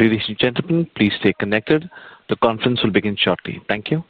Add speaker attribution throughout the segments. Speaker 1: Ladies and gentlemen, please stay connected. The conference will begin shortly. Thank you.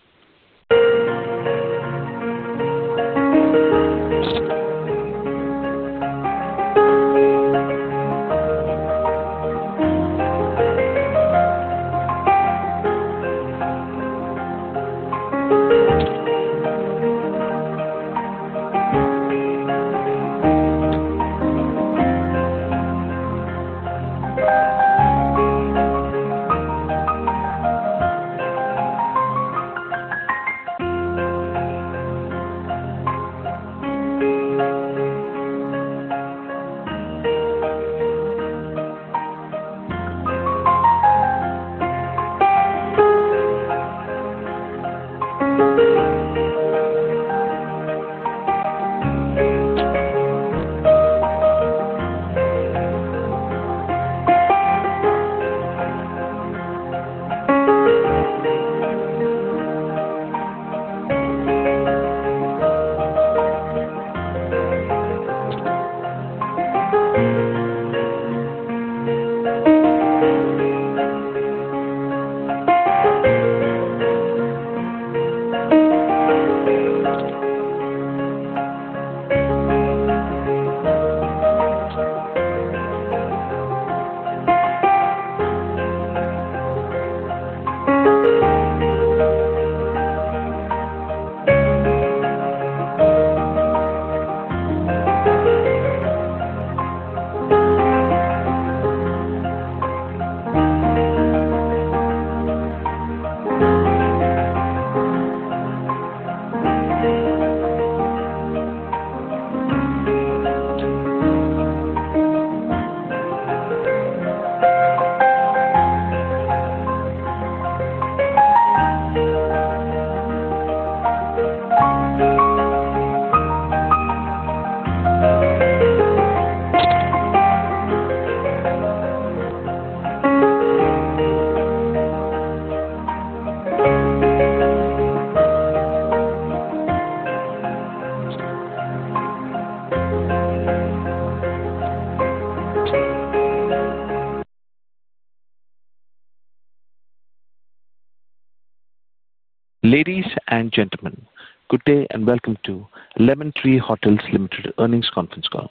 Speaker 1: Ladies and gentlemen, good day and welcome to Lemon Tree Hotels Limited Earnings Conference Call.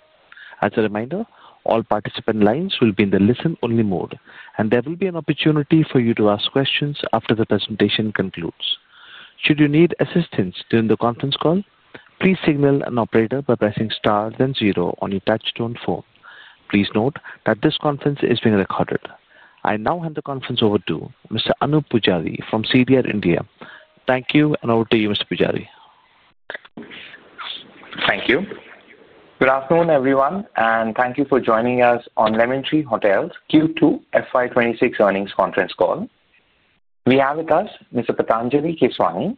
Speaker 1: As a reminder, all participant lines will be in the listen-only mode, and there will be an opportunity for you to ask questions after the presentation concludes. Should you need assistance during the conference call, please signal an operator by pressing star then zero on your touchstone phone. Please note that this conference is being recorded. I now hand the conference over to Mr. Anup Pujari from CDR India. Thank you and over to you, Mr. Pujari.
Speaker 2: Thank you. Good afternoon, everyone, and thank you for joining us on Lemon Tree Hotels Q2 FY2026 earnings conference call. We have with us Mr. Patanjali Keswani,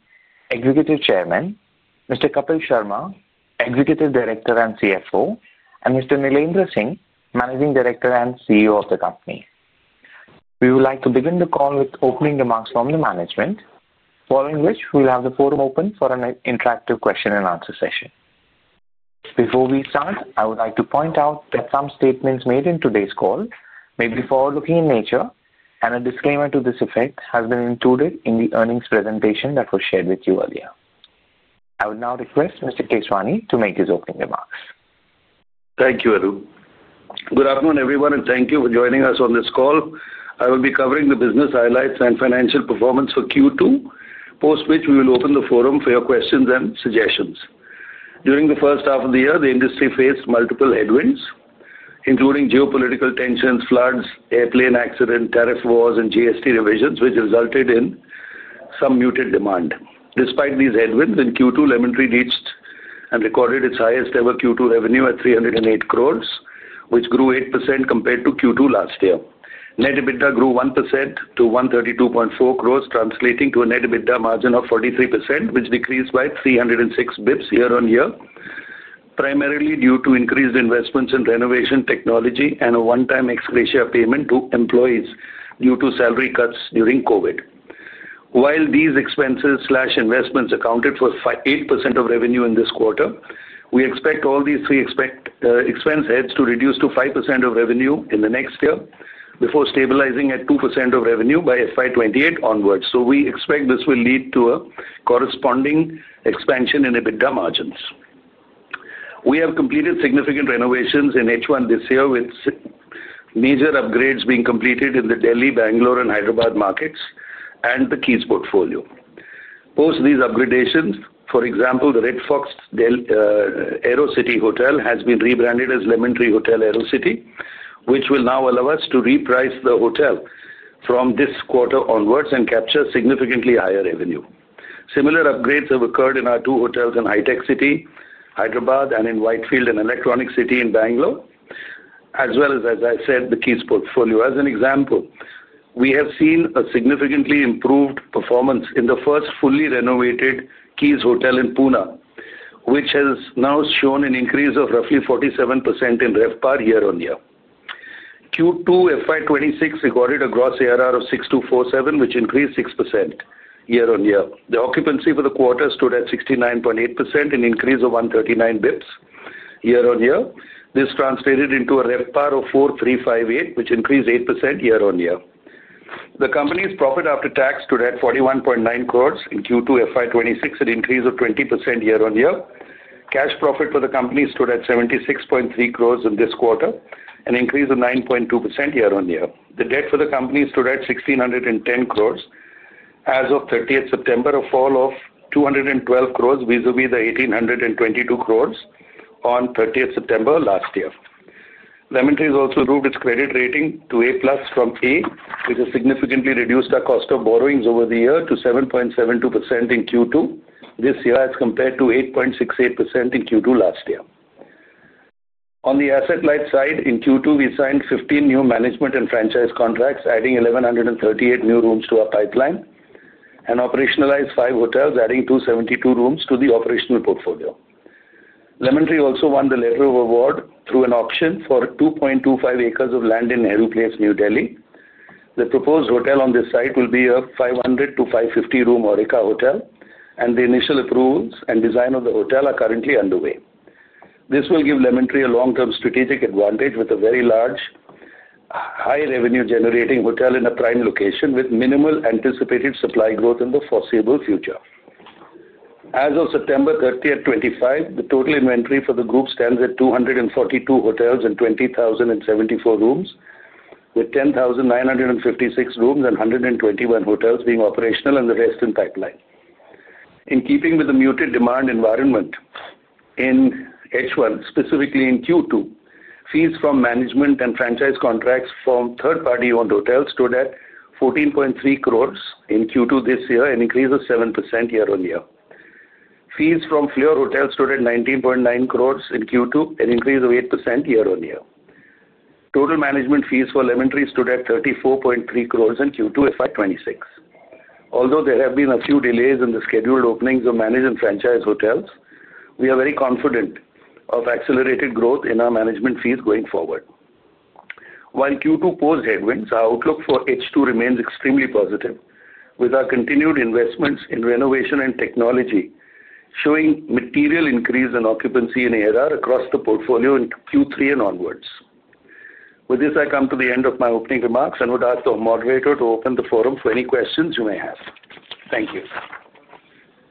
Speaker 2: Executive Chairman, Mr. Kapil Sharma, Executive Director and CFO, and Mr. Nilendra Singh, Managing Director and CEO of the company. We would like to begin the call with opening remarks from the management, following which we'll have the forum open for an interactive question-and-answer session. Before we start, I would like to point out that some statements made in today's call may be forward-looking in nature, and a disclaimer to this effect has been included in the earnings presentation that was shared with you earlier. I would now request Mr. Keswani to make his opening remarks.
Speaker 3: Thank you, Anup. Good afternoon, everyone, and thank you for joining us on this call. I will be covering the business highlights and financial performance for Q2, post which we will open the forum for your questions and suggestions. During the first half of the year, the industry faced multiple headwinds, including geopolitical tensions, floods, airplane accidents, tariff wars, and GST revisions, which resulted in some muted demand. Despite these headwinds, in Q2, Lemon Tree reached and recorded its highest-ever Q2 revenue at 308 crore, which grew 8% compared to Q2 last year. Net EBITDA grew 1% to 132.4 crore, translating to a net EBITDA margin of 43%, which decreased by 306 basis points year-on-year, primarily due to increased investments in renovation technology and a one-time ex gratia payment to employees due to salary cuts during COVID. While these expenses/investments accounted for 8% of revenue in this quarter, we expect all these three expense heads to reduce to 5% of revenue in the next year before stabilizing at 2% of revenue by FY2028 onwards. We expect this will lead to a corresponding expansion in EBITDA margins. We have completed significant renovations in H1 this year, with major upgrades being completed in the Delhi, Bangalore, and Hyderabad markets and the Keys portfolio. Post these upgradations, for example, the Red Fox AeroCity Hotel has been rebranded as Lemon Tree Hotel AeroCity, which will now allow us to reprice the hotel from this quarter onwards and capture significantly higher revenue. Similar upgrades have occurred in our two hotels in High Tech City, Hyderabad, and in Whitefield and Electronic City in Bangalore, as well as, as I said, the Keys portfolio. As an example, we have seen a significantly improved performance in the first fully renovated Keys hotel in Pune, which has now shown an increase of roughly 47% in RevPAR year-on-year. Q2 FY2026 recorded a gross ARR of 6,247, which increased 6% year-on-year. The occupancy for the quarter stood at 69.8%, an increase of 139 basis points year-on-year. This translated into a RevPAR of 4,358, which increased 8% year-on-year. The company's profit after tax stood at 41.9 crore in Q2 FY2026, an increase of 20% year-on-year. Cash profit for the company stood at 76.3 crore in this quarter, an increase of 9.2% year-on-year. The debt for the company stood at 1,610 crore as of 30 September, a fall of 212 crore vis-à-vis the 1,822 crore on 30 September last year. Lemon Tree has also improved its credit rating to A-plus from A, which has significantly reduced the cost of borrowings over the year to INR 7.72% in Q2 this year as compared to INR 8.68% in Q2 last year. On the asset-light side, in Q2, we signed 15 new management and franchise contracts, adding 1,138 new rooms to our pipeline, and operationalized five hotels, adding 272 rooms to the operational portfolio. Lemon Tree also won the Letter of Award through an auction for 2.25 acres of land in Nehru Place, New Delhi. The proposed hotel on this site will be a 500-550 room Aurika Hotel, and the initial approvals and design of the hotel are currently underway. This will give Lemon Tree a long-term strategic advantage with a very large, high-revenue-generating hotel in a prime location with minimal anticipated supply growth in the foreseeable future. As of September 30, 2025, the total inventory for the group stands at 242 hotels and 20,074 rooms, with 10,956 rooms and 121 hotels being operational and the rest in pipeline. In keeping with the muted demand environment in H1, specifically in Q2, fees from management and franchise contracts from third-party-owned hotels stood at 14.3 crore in Q2 this year, an increase of 7% year-on-year. Fees from Flio hotels stood at 19.9 crore in Q2, an increase of 8% year-on-year. Total management fees for Lemon Tree stood at 34.3 crore in Q2 FY2026. Although there have been a few delays in the scheduled openings of managed and franchise hotels, we are very confident of accelerated growth in our management fees going forward. While Q2 posed headwinds, our outlook for H2 remains extremely positive, with our continued investments in renovation and technology showing material increase in occupancy and ARR across the portfolio in Q3 and onwards. With this, I come to the end of my opening remarks and would ask the moderator to open the forum for any questions you may have. Thank you.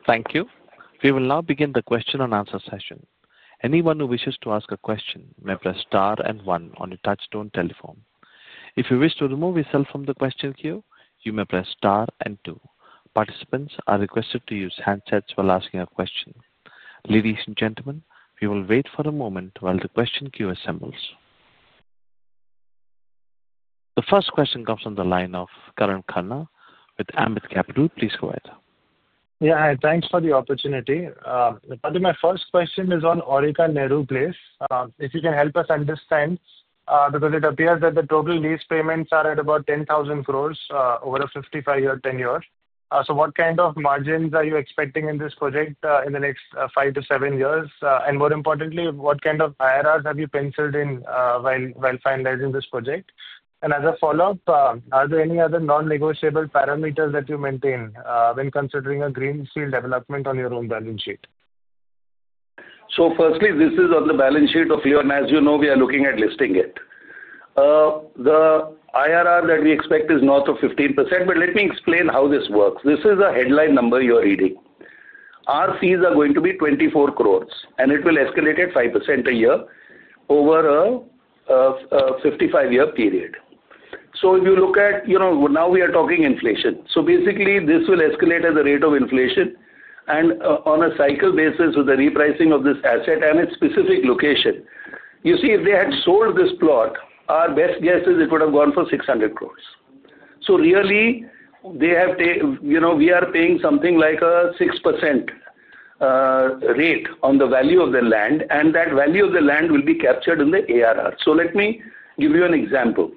Speaker 1: Thank you. We will now begin the question-and-answer session. Anyone who wishes to ask a question may press star and one on the touchstone telephone. If you wish to remove yourself from the question queue, you may press star and two. Participants are requested to use handsets while asking a question. Ladies and gentlemen, we will wait for a moment while the question queue assembles. The first question comes from the line of Karan Khanna with Ambit Capital. Please go ahead.
Speaker 4: Yeah, thanks for the opportunity. Patanjali, my first question is on Aurika Nehru Place. If you can help us understand, because it appears that the total lease payments are at about 10,000 crore over a 55-year tenure. What kind of margins are you expecting in this project in the next five to seven years? More importantly, what kind of ARRs have you penciled in while finalizing this project? As a follow-up, are there any other non-negotiable parameters that you maintain when considering a greenfield development on your own balance sheet?
Speaker 3: Firstly, this is on the balance sheet of Leon, as you know, we are looking at listing it. The IRR that we expect is north of 15%, but let me explain how this works. This is the headline number you are reading. Our fees are going to be 24 crore, and it will escalate at 5% a year over a 55-year period. If you look at, now we are talking inflation. Basically, this will escalate at the rate of inflation, and on a cycle basis with the repricing of this asset and its specific location. You see, if they had sold this plot, our best guess is it would have gone for 600 crore. Really, we are paying something like a 6% rate on the value of the land, and that value of the land will be captured in the ARR. Let me give you an example.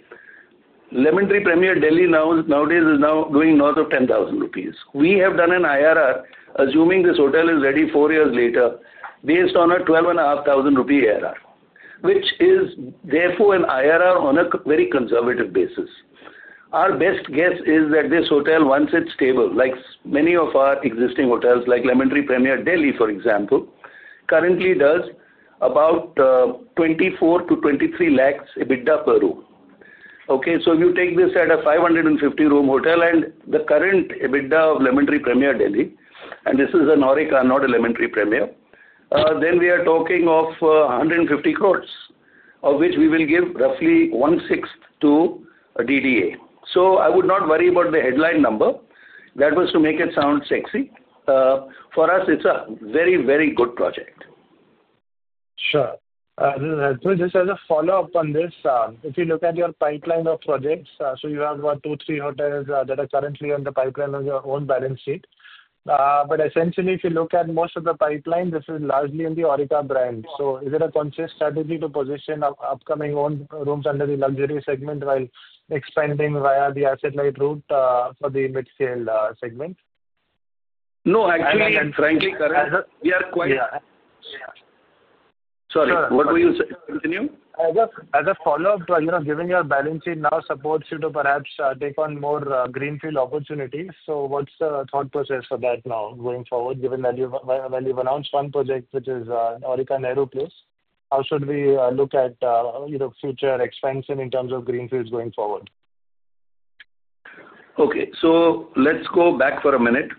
Speaker 3: Lemon Tree Premier Delhi nowadays is now going north of 10,000 rupees. We have done an IRR, assuming this hotel is ready four years later, based on a 12,500 ARR, which is therefore an IRR on a very conservative basis. Our best guess is that this hotel, once it's stable, like many of our existing hotels, like Lemon Tree Premier Delhi, for example, currently does about 2.4 million-2.3 million EBITDA per room. Okay, if you take this at a 550-room hotel and the current EBITDA of Lemon Tree Premier Delhi, and this is an Aurika, not a Lemon Tree Premier, then we are talking of 1.5 billion, of which we will give roughly one-sixth to Delhi Development Authority. I would not worry about the headline number. That was to make it sound sexy. For us, it's a very, very good project.
Speaker 4: Sure. Just as a follow-up on this, if you look at your pipeline of projects, you have about two, three hotels that are currently on the pipeline of your own balance sheet. Essentially, if you look at most of the pipeline, this is largely in the Aurika brand. Is it a consistent strategy to position upcoming owned rooms under the luxury segment while expanding via the asset-light route for the mid-scale segment?
Speaker 3: No, actually, and frankly, Karan, we are quite sorry, what were you saying? Continue.
Speaker 4: As a follow-up, given your balance sheet now supports you to perhaps take on more greenfield opportunities, what is the thought process for that now going forward, given that you have announced one project, which is Aurika Nehru Place? How should we look at future expansion in terms of greenfields going forward?
Speaker 3: Okay, so let's go back for a minute.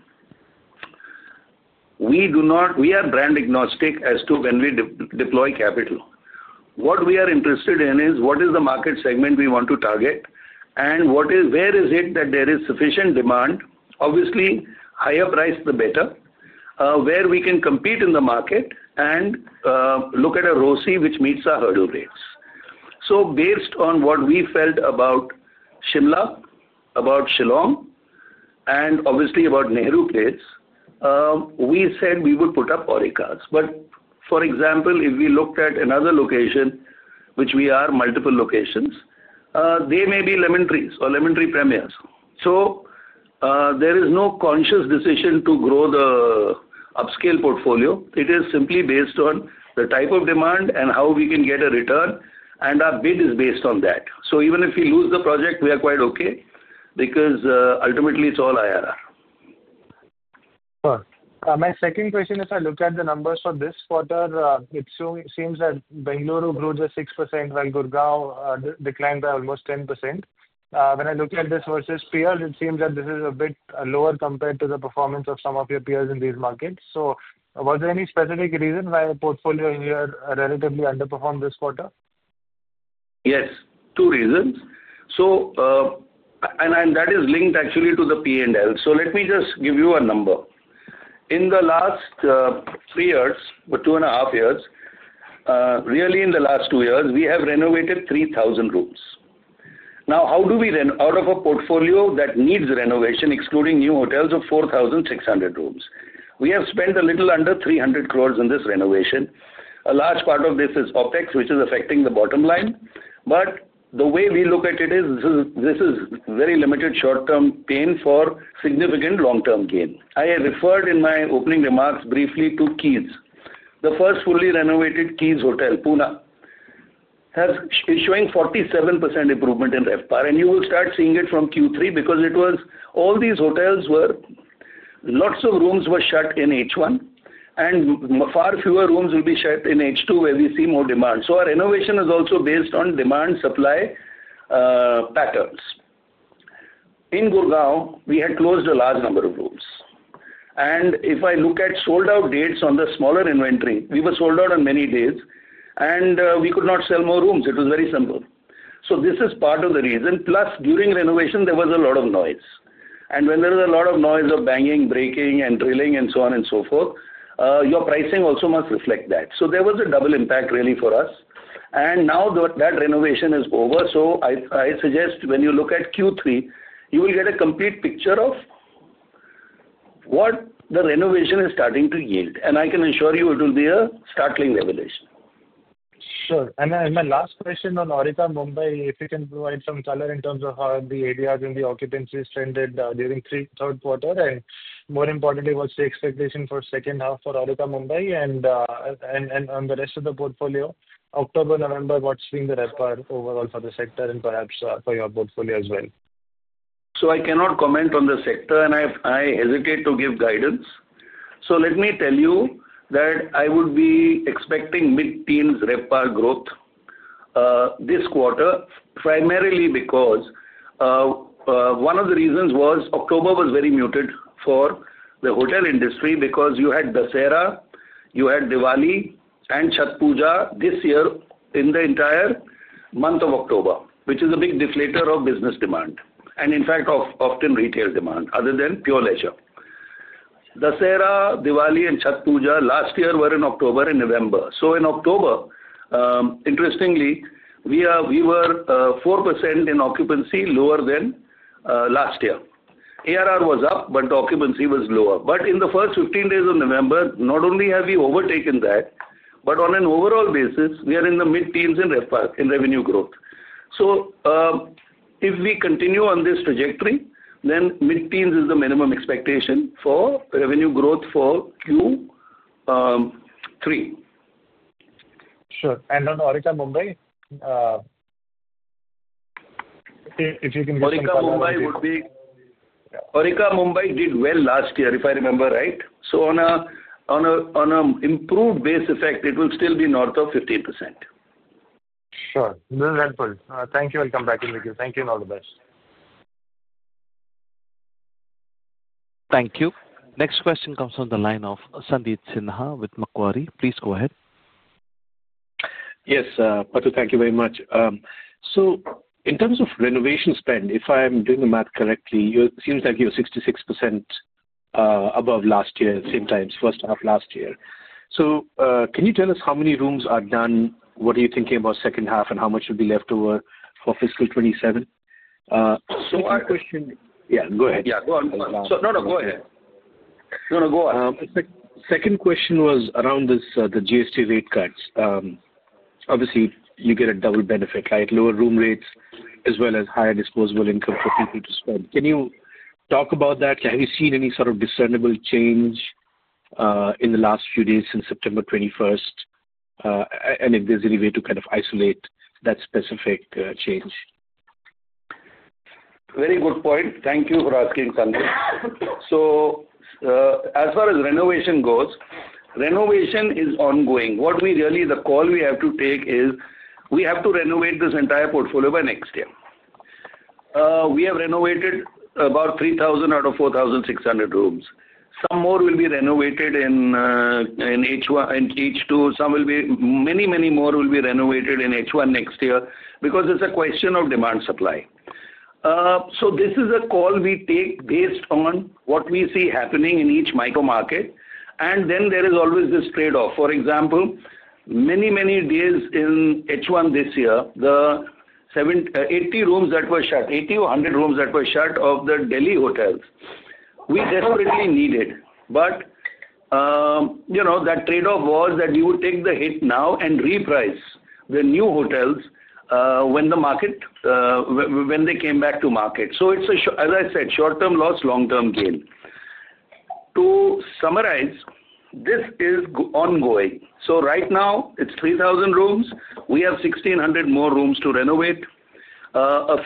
Speaker 3: We are brand agnostic as to when we deploy capital. What we are interested in is what is the market segment we want to target, and where is it that there is sufficient demand? Obviously, higher price, the better, where we can compete in the market and look at a RoCE which meets our hurdle rates. Based on what we felt about Shimla, about Shillong, and obviously about Nehru Place, we said we would put up Aurikas. For example, if we looked at another location, which we are multiple locations, they may be Lemon Trees or Lemon Tree Premiers. There is no conscious decision to grow the upscale portfolio. It is simply based on the type of demand and how we can get a return, and our bid is based on that. Even if we lose the project, we are quite okay because ultimately, it's all IRR.
Speaker 4: My second question, if I look at the numbers for this quarter, it seems that Bengaluru grew just 6% while Gurgaon declined by almost 10%. When I look at this versus peers, it seems that this is a bit lower compared to the performance of some of your peers in these markets. Was there any specific reason why a portfolio here relatively underperformed this quarter?
Speaker 3: Yes, two reasons. That is linked actually to the P&L. Let me just give you a number. In the last three years, two and a half years, really in the last two years, we have renovated 3,000 rooms. Now, out of a portfolio that needs renovation, excluding new hotels, of 4,600 rooms, we have spent a little under 300 crore in this renovation. A large part of this is OPEX, which is affecting the bottom line. The way we look at it is this is very limited short-term gain for significant long-term gain. I referred in my opening remarks briefly to Keys. The first fully renovated Keys hotel, Pune, is showing 47% improvement in RevPAR, and you will start seeing it from Q3 because all these hotels were lots of rooms were shut in H1, and far fewer rooms will be shut in H2 where we see more demand. Our innovation is also based on demand-supply patterns. In Gurgaon, we had closed a large number of rooms. If I look at sold-out dates on the smaller inventory, we were sold out on many days, and we could not sell more rooms. It was very simple. This is part of the reason. Plus, during renovation, there was a lot of noise. When there was a lot of noise of banging, breaking, and drilling, and so on and so forth, your pricing also must reflect that. There was a double impact really for us. Now that renovation is over, I suggest when you look at Q3, you will get a complete picture of what the renovation is starting to yield. I can assure you it will be a startling revelation.
Speaker 4: Sure. My last question on Aurika Mumbai, if you can provide some color in terms of how the ARR and the occupancy trended during third quarter. More importantly, what's the expectation for second half for Aurika Mumbai and on the rest of the portfolio? October, November, what's been the RevPAR overall for the sector and perhaps for your portfolio as well?
Speaker 3: I cannot comment on the sector, and I hesitate to give guidance. Let me tell you that I would be expecting mid-teens RevPAR growth this quarter, primarily because one of the reasons was October was very muted for the hotel industry because you had Dussehra, you had Diwali, and Chhatpooja this year in the entire month of October, which is a big deflator of business demand. In fact, often retail demand other than pure leisure. Dussehra, Diwali, and Chhatpooja last year were in October and November. In October, interestingly, we were 4% in occupancy lower than last year. ARR was up, but occupancy was lower. In the first 15 days of November, not only have we overtaken that, but on an overall basis, we are in the mid-teens in revenue growth. If we continue on this trajectory, then mid-teens is the minimum expectation for revenue growth for Q3.
Speaker 4: Sure. On Aurika Mumbai?
Speaker 3: Aurika Mumbai did well last year, if I remember right. On an improved base effect, it will still be north of 15%.
Speaker 4: Sure. This is helpful. Thank you. I'll come back in with you. Thank you and all the best.
Speaker 1: Thank you. Next question comes from the line of Sandeep Sinha with Macquarie. Please go ahead.
Speaker 5: Yes, Patu, thank you very much. In terms of renovation spend, if I'm doing the math correctly, it seems like you're 66% above last year, same time, first half last year. Can you tell us how many rooms are done? What are you thinking about second half and how much will be left over for fiscal 2027?
Speaker 3: My question, yeah, go ahead.
Speaker 5: Yeah, go on.
Speaker 3: No, no, go ahead.
Speaker 5: No, no, go on. Second question was around the GST rate cuts. Obviously, you get a double benefit, like lower room rates as well as higher disposable income for people to spend. Can you talk about that? Have you seen any sort of discernible change in the last few days since September 21? If there's any way to kind of isolate that specific change?
Speaker 3: Very good point. Thank you for asking, Sandeep. As far as renovation goes, renovation is ongoing. What we really, the call we have to take is we have to renovate this entire portfolio by next year. We have renovated about 3,000 out of 4,600 rooms. Some more will be renovated in H2. Many, many more will be renovated in H1 next year because it is a question of demand-supply. This is a call we take based on what we see happening in each micro market. There is always this trade-off. For example, many, many days in H1 this year, the 80 rooms that were shut, 80 or 100 rooms that were shut of the Delhi hotels, we desperately needed. That trade-off was that we would take the hit now and reprice the new hotels when they came back to market. It's, as I said, short-term loss, long-term gain. To summarize, this is ongoing. Right now, it's 3,000 rooms. We have 1,600 more rooms to renovate. The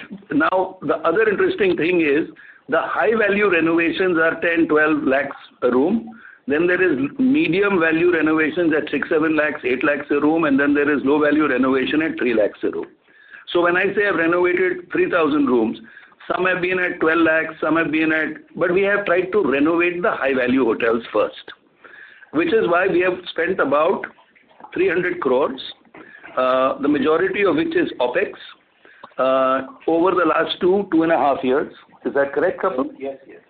Speaker 3: other interesting thing is the high-value renovations are 1,000,000-1,200,000 a room. Then there is medium-value renovations at 600,000-800,000 a room, and then there is low-value renovation at 300,000 a room. When I say I've renovated 3,000 rooms, some have been at 1,200,000, some have been at. We have tried to renovate the high-value hotels first, which is why we have spent about 300 million, the majority of which is OPEX over the last two, two and a half years. Is that correct, Kapil?
Speaker 6: Yes, yes.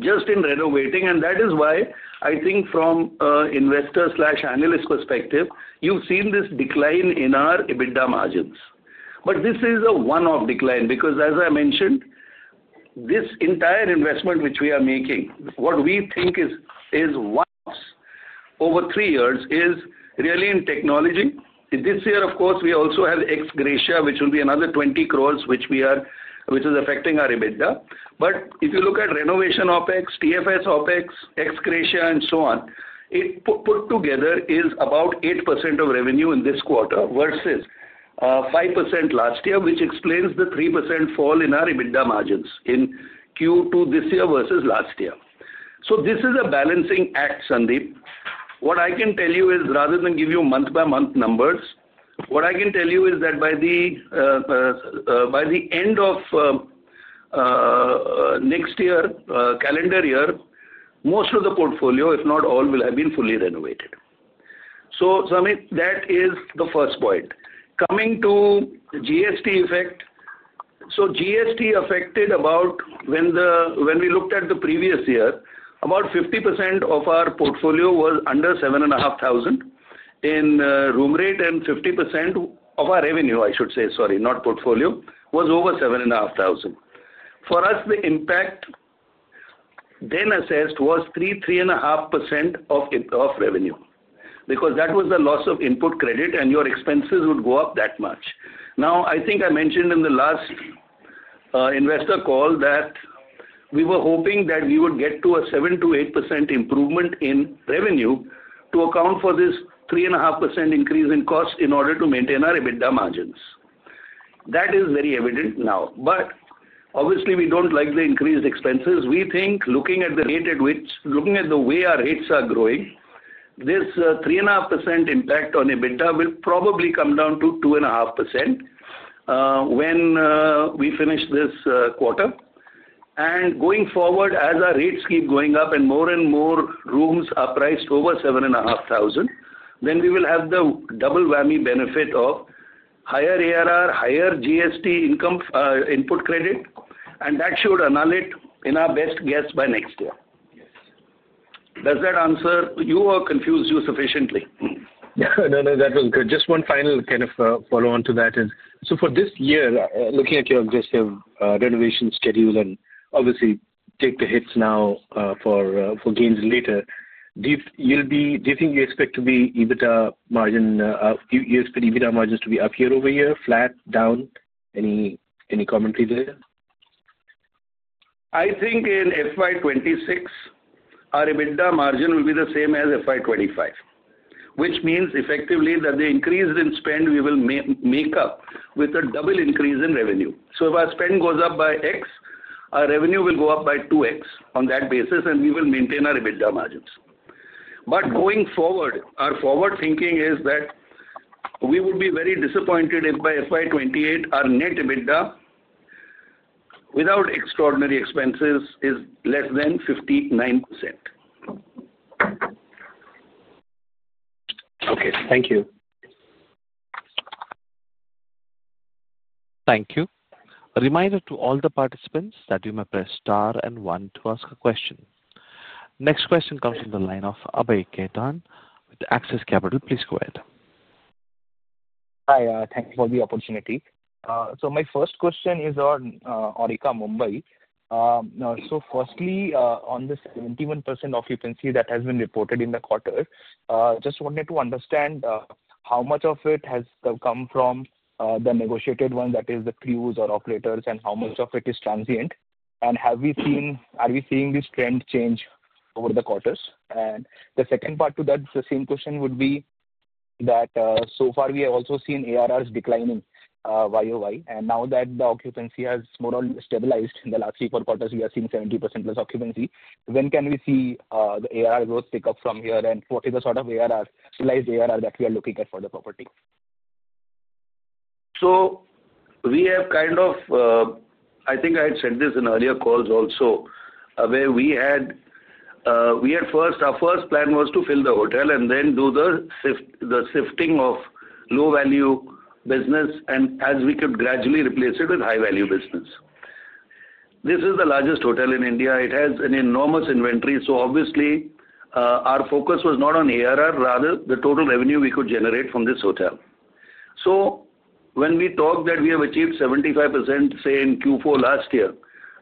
Speaker 3: Just in renovating. That is why I think from an investor/analyst perspective, you've seen this decline in our EBITDA margins. This is a one-off decline because, as I mentioned, this entire investment which we are making, what we think is one-offs over three years, is really in technology. This year, of course, we also have ex gratia, which will be another 200,000,000, which is affecting our EBITDA. If you look at renovation OPEX, TFS OPEX, ex gratia, and so on, it put together is about 8% of revenue in this quarter versus 5% last year, which explains the 3% fall in our EBITDA margins in Q2 this year versus last year. This is a balancing act, Sandeep. What I can tell you is, rather than give you month-by-month numbers, what I can tell you is that by the end of next year, calendar year, most of the portfolio, if not all, will have been fully renovated. That is the first point. Coming to GST effect, GST affected about, when we looked at the previous year, about 50% of our portfolio was under 7,500 in room rate and 50% of our revenue, I should say, sorry, not portfolio, was over 7,500. For us, the impact then assessed was 3-3.5% of revenue because that was the loss of input credit, and your expenses would go up that much. Now, I think I mentioned in the last investor call that we were hoping that we would get to a 7-8% improvement in revenue to account for this 3.5% increase in cost in order to maintain our EBITDA margins. That is very evident now. Obviously, we do not like the increased expenses. We think looking at the rate at which, looking at the way our rates are growing, this 3.5% impact on EBITDA will probably come down to 2.5% when we finish this quarter. Going forward, as our rates keep going up and more and more rooms are priced over 7,500, we will have the double whammy benefit of higher ARR, higher GST input credit, and that should annul it in our best guess by next year. Does that answer? You are confused sufficiently.
Speaker 5: No, no, that was good. Just one final kind of follow-on to that is, so for this year, looking at your aggressive renovation schedule and obviously take the hits now for gains later, do you think you expect EBITDA margins to be up year over year, flat, down? Any commentary there?
Speaker 3: I think in FY 2026, our EBITDA margin will be the same as FY 2025, which means effectively that the increase in spend we will make up with a double increase in revenue. If our spend goes up by X, our revenue will go up by 2X on that basis, and we will maintain our EBITDA margins. Going forward, our forward thinking is that we would be very disappointed if by FY 2028, our net EBITDA without extraordinary expenses is less than 59%.
Speaker 5: Okay. Thank you.
Speaker 1: Thank you. A reminder to all the participants that you may press star and one to ask a question. Next question comes from the line of Abhay Ketan with Access Capital. Please go ahead.
Speaker 7: Hi. Thank you for the opportunity. My first question is on Aurika Mumbai. Firstly, on this 71% occupancy that has been reported in the quarter, just wanted to understand how much of it has come from the negotiated one, that is the crews or operators, and how much of it is transient? Have we seen this trend change over the quarters? The second part to that, the same question would be that so far we have also seen ARRs declining year over year. Now that the occupancy has more or less stabilized in the last three or four quarters, we are seeing 70% plus occupancy. When can we see the ARR growth pick up from here? What is the sort of ARR, realized ARR that we are looking at for the property?
Speaker 3: We have kind of, I think I had said this in earlier calls also, where we had our first plan was to fill the hotel and then do the shifting of low-value business and as we could gradually replace it with high-value business. This is the largest hotel in India. It has an enormous inventory. Obviously, our focus was not on ARR, rather the total revenue we could generate from this hotel. When we talk that we have achieved 75% in Q4 last year,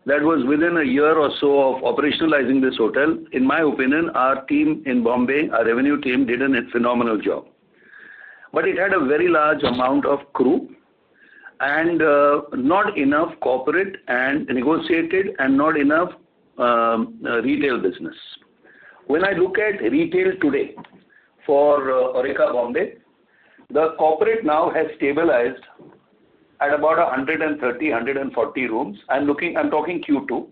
Speaker 3: that was within a year or so of operationalizing this hotel, in my opinion, our team in Bombay, our revenue team, did a phenomenal job. It had a very large amount of crew and not enough corporate and negotiated and not enough retail business. When I look at retail today for Aurika Bombay, the corporate now has stabilized at about 130-140 rooms. I'm talking Q2.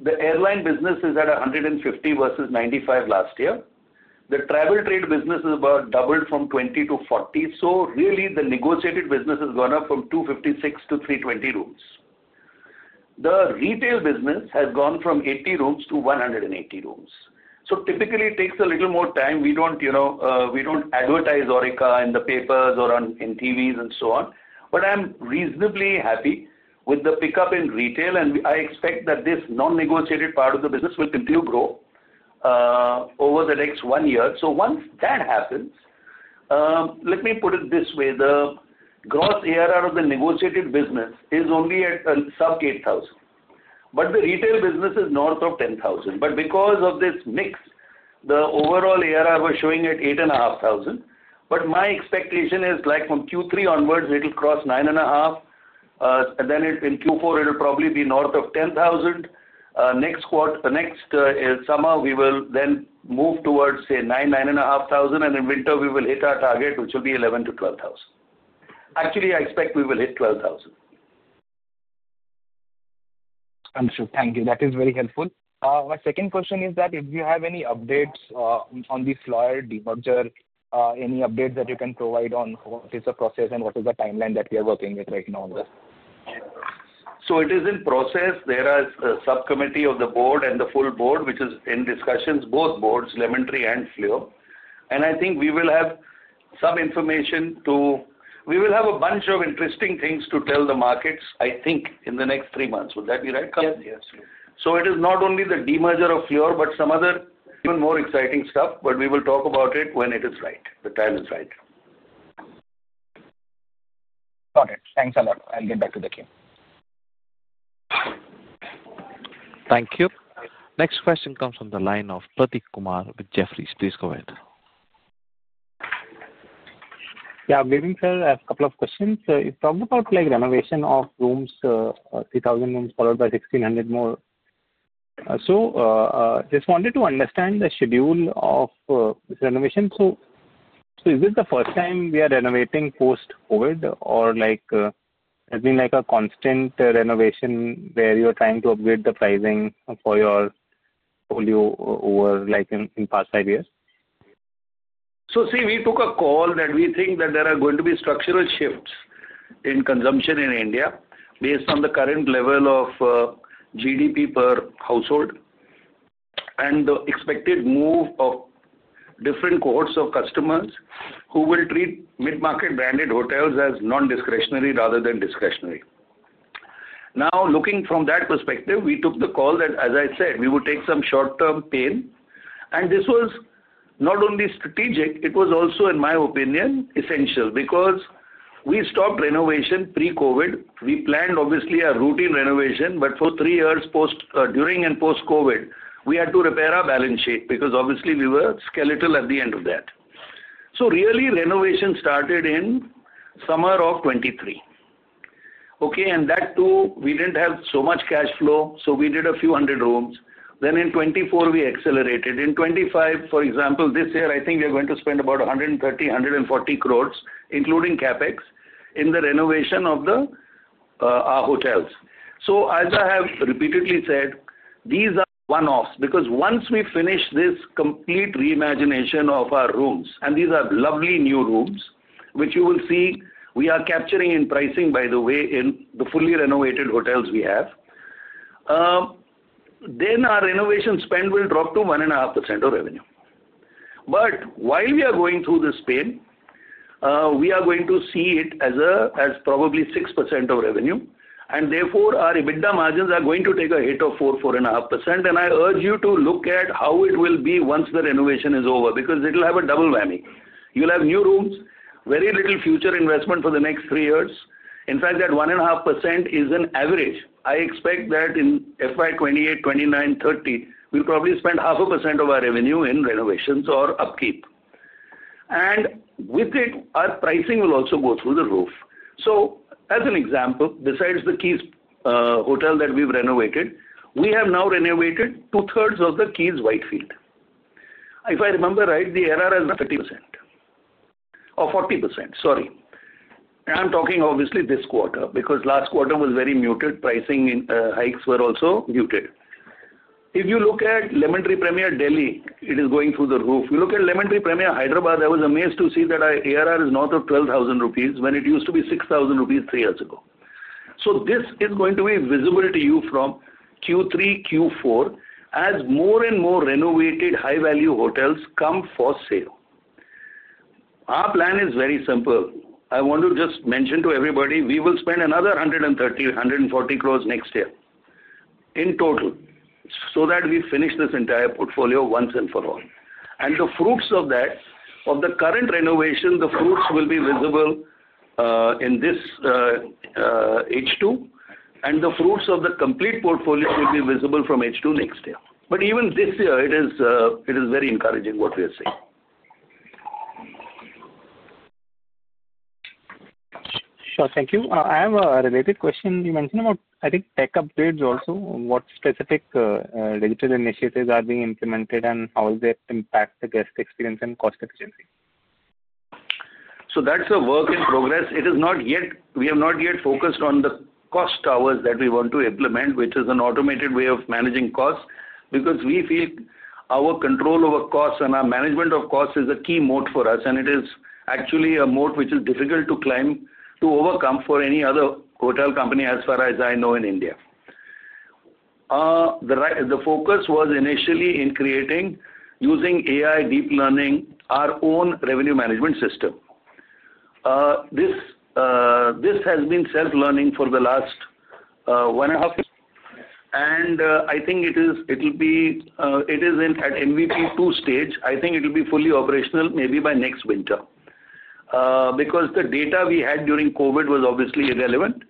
Speaker 3: The airline business is at 150 versus 95 last year. The travel trade business is about doubled from 20 to 40. Really, the negotiated business has gone up from 256 to 320 rooms. The retail business has gone from 80 rooms to 180 rooms. Typically, it takes a little more time. We do not advertise Aurika in the papers or on TVs and so on. I'm reasonably happy with the pickup in retail. I expect that this non-negotiated part of the business will continue to grow over the next one year. Once that happens, let me put it this way. The gross ARR of the negotiated business is only at sub 8,000. The retail business is north of 10,000. Because of this mix, the overall ARR we are showing at 8,500. My expectation is from Q3 onwards, it will cross 9,500. In Q4, it will probably be north of 10,000. Next summer, we will then move towards, say, 9,000-9,500. In winter, we will hit our target, which will be 11,000-12,000. Actually, I expect we will hit 12,000.
Speaker 7: I'm sure. Thank you. That is very helpful. My second question is that if you have any updates on this Flio demerger, any updates that you can provide on what is the process and what is the timeline that we are working with right now on this?
Speaker 3: It is in process. There is a subcommittee of the board and the full board, which is in discussions, both boards, Lemon Tree and Flio. I think we will have some information to—we will have a bunch of interesting things to tell the markets, I think, in the next three months. Would that be right, Kapil?
Speaker 6: Yes, yes.
Speaker 3: It is not only the demerger of Flio, but some other even more exciting stuff. We will talk about it when the time is right.
Speaker 7: Got it. Thanks a lot. I'll get back to the queue.
Speaker 1: Thank you. Next question comes from the line of Prateek Kumar with Jefferies. Please go ahead.
Speaker 8: Yeah, I'm waving here, a couple of questions. You talked about renovation of rooms, 3,000 rooms followed by 1,600 more. Just wanted to understand the schedule of renovation. Is this the first time we are renovating post-COVID, or has it been a constant renovation where you're trying to upgrade the pricing for your folio over in past five years?
Speaker 3: See, we took a call that we think that there are going to be structural shifts in consumption in India based on the current level of GDP per household and the expected move of different cohorts of customers who will treat mid-market branded hotels as non-discretionary rather than discretionary. Now, looking from that perspective, we took the call that, as I said, we would take some short-term pain. This was not only strategic, it was also, in my opinion, essential because we stopped renovation pre-COVID. We planned, obviously, a routine renovation. For three years during and post-COVID, we had to repair our balance sheet because, obviously, we were skeletal at the end of that. Really, renovation started in summer of 2023. Okay. That too, we did not have so much cash flow. We did a few hundred rooms. In 2024, we accelerated. In 2025, for example, this year, I think we are going to spend about 130 crore-140 crore, including CAPEX, in the renovation of our hotels. As I have repeatedly said, these are one-offs because once we finish this complete reimagination of our rooms, and these are lovely new rooms, which you will see we are capturing in pricing, by the way, in the fully renovated hotels we have, our renovation spend will drop to 1.5% of revenue. While we are going through this pain, we are going to see it as probably 6% of revenue. Therefore, our EBITDA margins are going to take a hit of 4%-4.5%. I urge you to look at how it will be once the renovation is over because it will have a double whammy. You will have new rooms, very little future investment for the next three years. In fact, that 1.5% is an average. I expect that in FY 2028, 2029, 2030, we'll probably spend 0.5% of our revenue in renovations or upkeep. With it, our pricing will also go through the roof. As an example, besides the Keys Hotel that we've renovated, we have now renovated two-thirds of the Keys Whitefield. If I remember right, the ARR is 30% or 40%. Sorry. I'm talking, obviously, this quarter because last quarter was very muted. Pricing hikes were also muted. If you look at Lemon Tree Premier Delhi, it is going through the roof. You look at Lemon Tree Premier Hyderabad, I was amazed to see that our ARR is north of 12,000 rupees when it used to be 6,000 rupees three years ago. This is going to be visible to you from Q3, Q4 as more and more renovated high-value hotels come for sale. Our plan is very simple. I want to just mention to everybody, we will spend another 130 crore-140 crore next year in total so that we finish this entire portfolio once and for all. The fruits of that, of the current renovation, the fruits will be visible in this H2. The fruits of the complete portfolio will be visible from H2 next year. Even this year, it is very encouraging what we are seeing.
Speaker 8: Sure. Thank you. I have a related question. You mentioned about, I think, tech upgrades also. What specific digital initiatives are being implemented, and how does that impact the guest experience and cost efficiency?
Speaker 3: That is a work in progress. We have not yet focused on the cost towers that we want to implement, which is an automated way of managing costs because we feel our control over costs and our management of costs is a key moat for us. It is actually a moat which is difficult to climb, to overcome for any other hotel company as far as I know in India. The focus was initially in creating, using AI, deep learning, our own revenue management system. This has been self-learning for the last one and a half years. I think it is at MVP 2 stage. I think it will be fully operational maybe by next winter because the data we had during COVID was obviously irrelevant.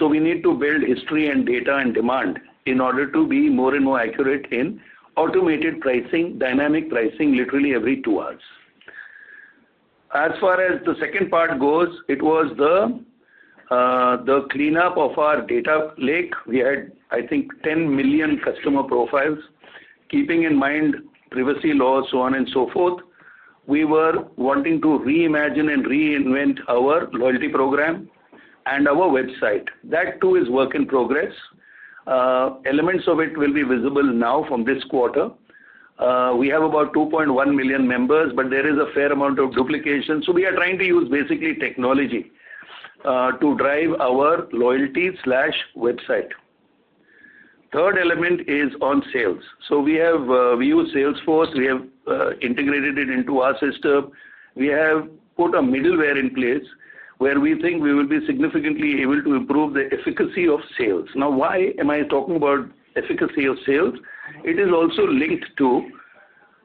Speaker 3: We need to build history and data and demand in order to be more and more accurate in automated pricing, dynamic pricing, literally every two hours. As far as the second part goes, it was the cleanup of our data lake. We had, I think, 10 million customer profiles. Keeping in mind privacy laws, so on and so forth, we were wanting to reimagine and reinvent our loyalty program and our website. That too is work in progress. Elements of it will be visible now from this quarter. We have about 2.1 million members, but there is a fair amount of duplication. We are trying to use basically technology to drive our loyalty/website. Third element is on sales. We use Salesforce. We have integrated it into our system. We have put a middleware in place where we think we will be significantly able to improve the efficacy of sales. Now, why am I talking about efficacy of sales? It is also linked to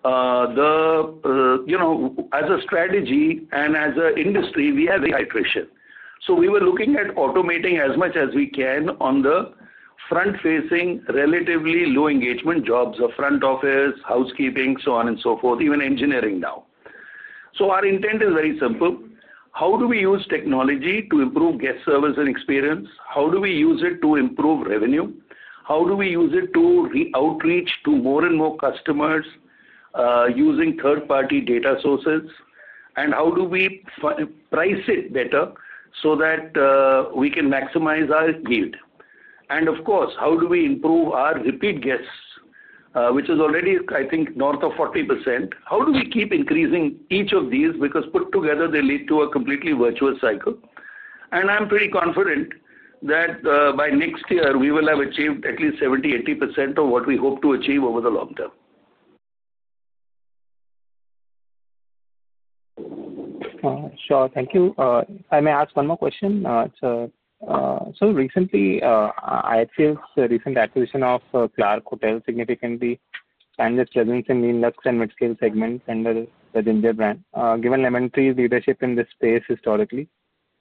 Speaker 3: the, as a strategy and as an industry, we have rehydration. We were looking at automating as much as we can on the front-facing, relatively low engagement jobs, front office, housekeeping, so on and so forth, even engineering now. Our intent is very simple. How do we use technology to improve guest service and experience? How do we use it to improve revenue? How do we use it to outreach to more and more customers using third-party data sources? How do we price it better so that we can maximize our yield? Of course, how do we improve our repeat guests, which is already, I think, north of 40%? How do we keep increasing each of these? Because put together, they lead to a completely virtuous cycle. I'm pretty confident that by next year, we will have achieved at least 70-80% of what we hope to achieve over the long term.
Speaker 8: Sure. Thank you. I may ask one more question. Recently, IHS's recent acquisition of Clark Hotels significantly strengthened its presence in the luxe and mid-scale segments under the Ginger brand. Given Lemon Tree's leadership in this space historically,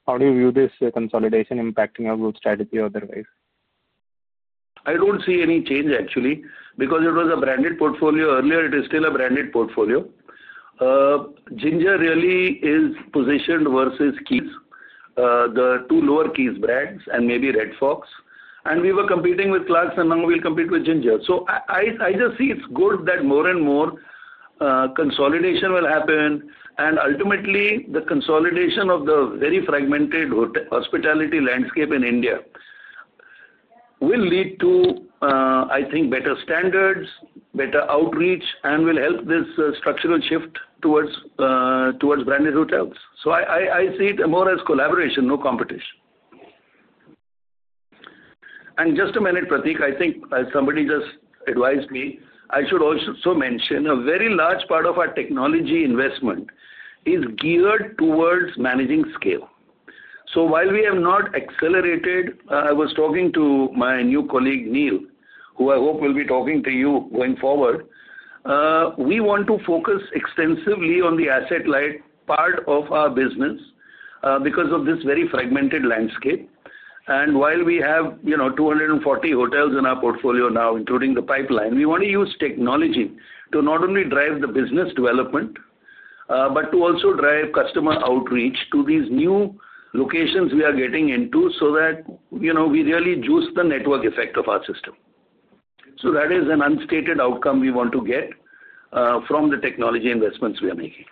Speaker 8: how do you view this consolidation impacting your growth strategy or otherwise?
Speaker 3: I do not see any change, actually, because it was a branded portfolio earlier. It is still a branded portfolio. Ginger really is positioned versus Keys, the two lower-key brands, and maybe Red Fox. We were competing with Clarks, and now we will compete with Ginger. I just see it is good that more and more consolidation will happen. Ultimately, the consolidation of the very fragmented hospitality landscape in India will lead to, I think, better standards, better outreach, and will help this structural shift towards branded hotels. I see it more as collaboration, no competition. Just a minute, Pratik, I think somebody just advised me. I should also mention a very large part of our technology investment is geared towards managing scale. While we have not accelerated, I was talking to my new colleague, Nilendra, who I hope will be talking to you going forward. We want to focus extensively on the asset-light part of our business because of this very fragmented landscape. While we have 240 hotels in our portfolio now, including the pipeline, we want to use technology to not only drive the business development but to also drive customer outreach to these new locations we are getting into so that we really juice the network effect of our system. That is an unstated outcome we want to get from the technology investments we are making.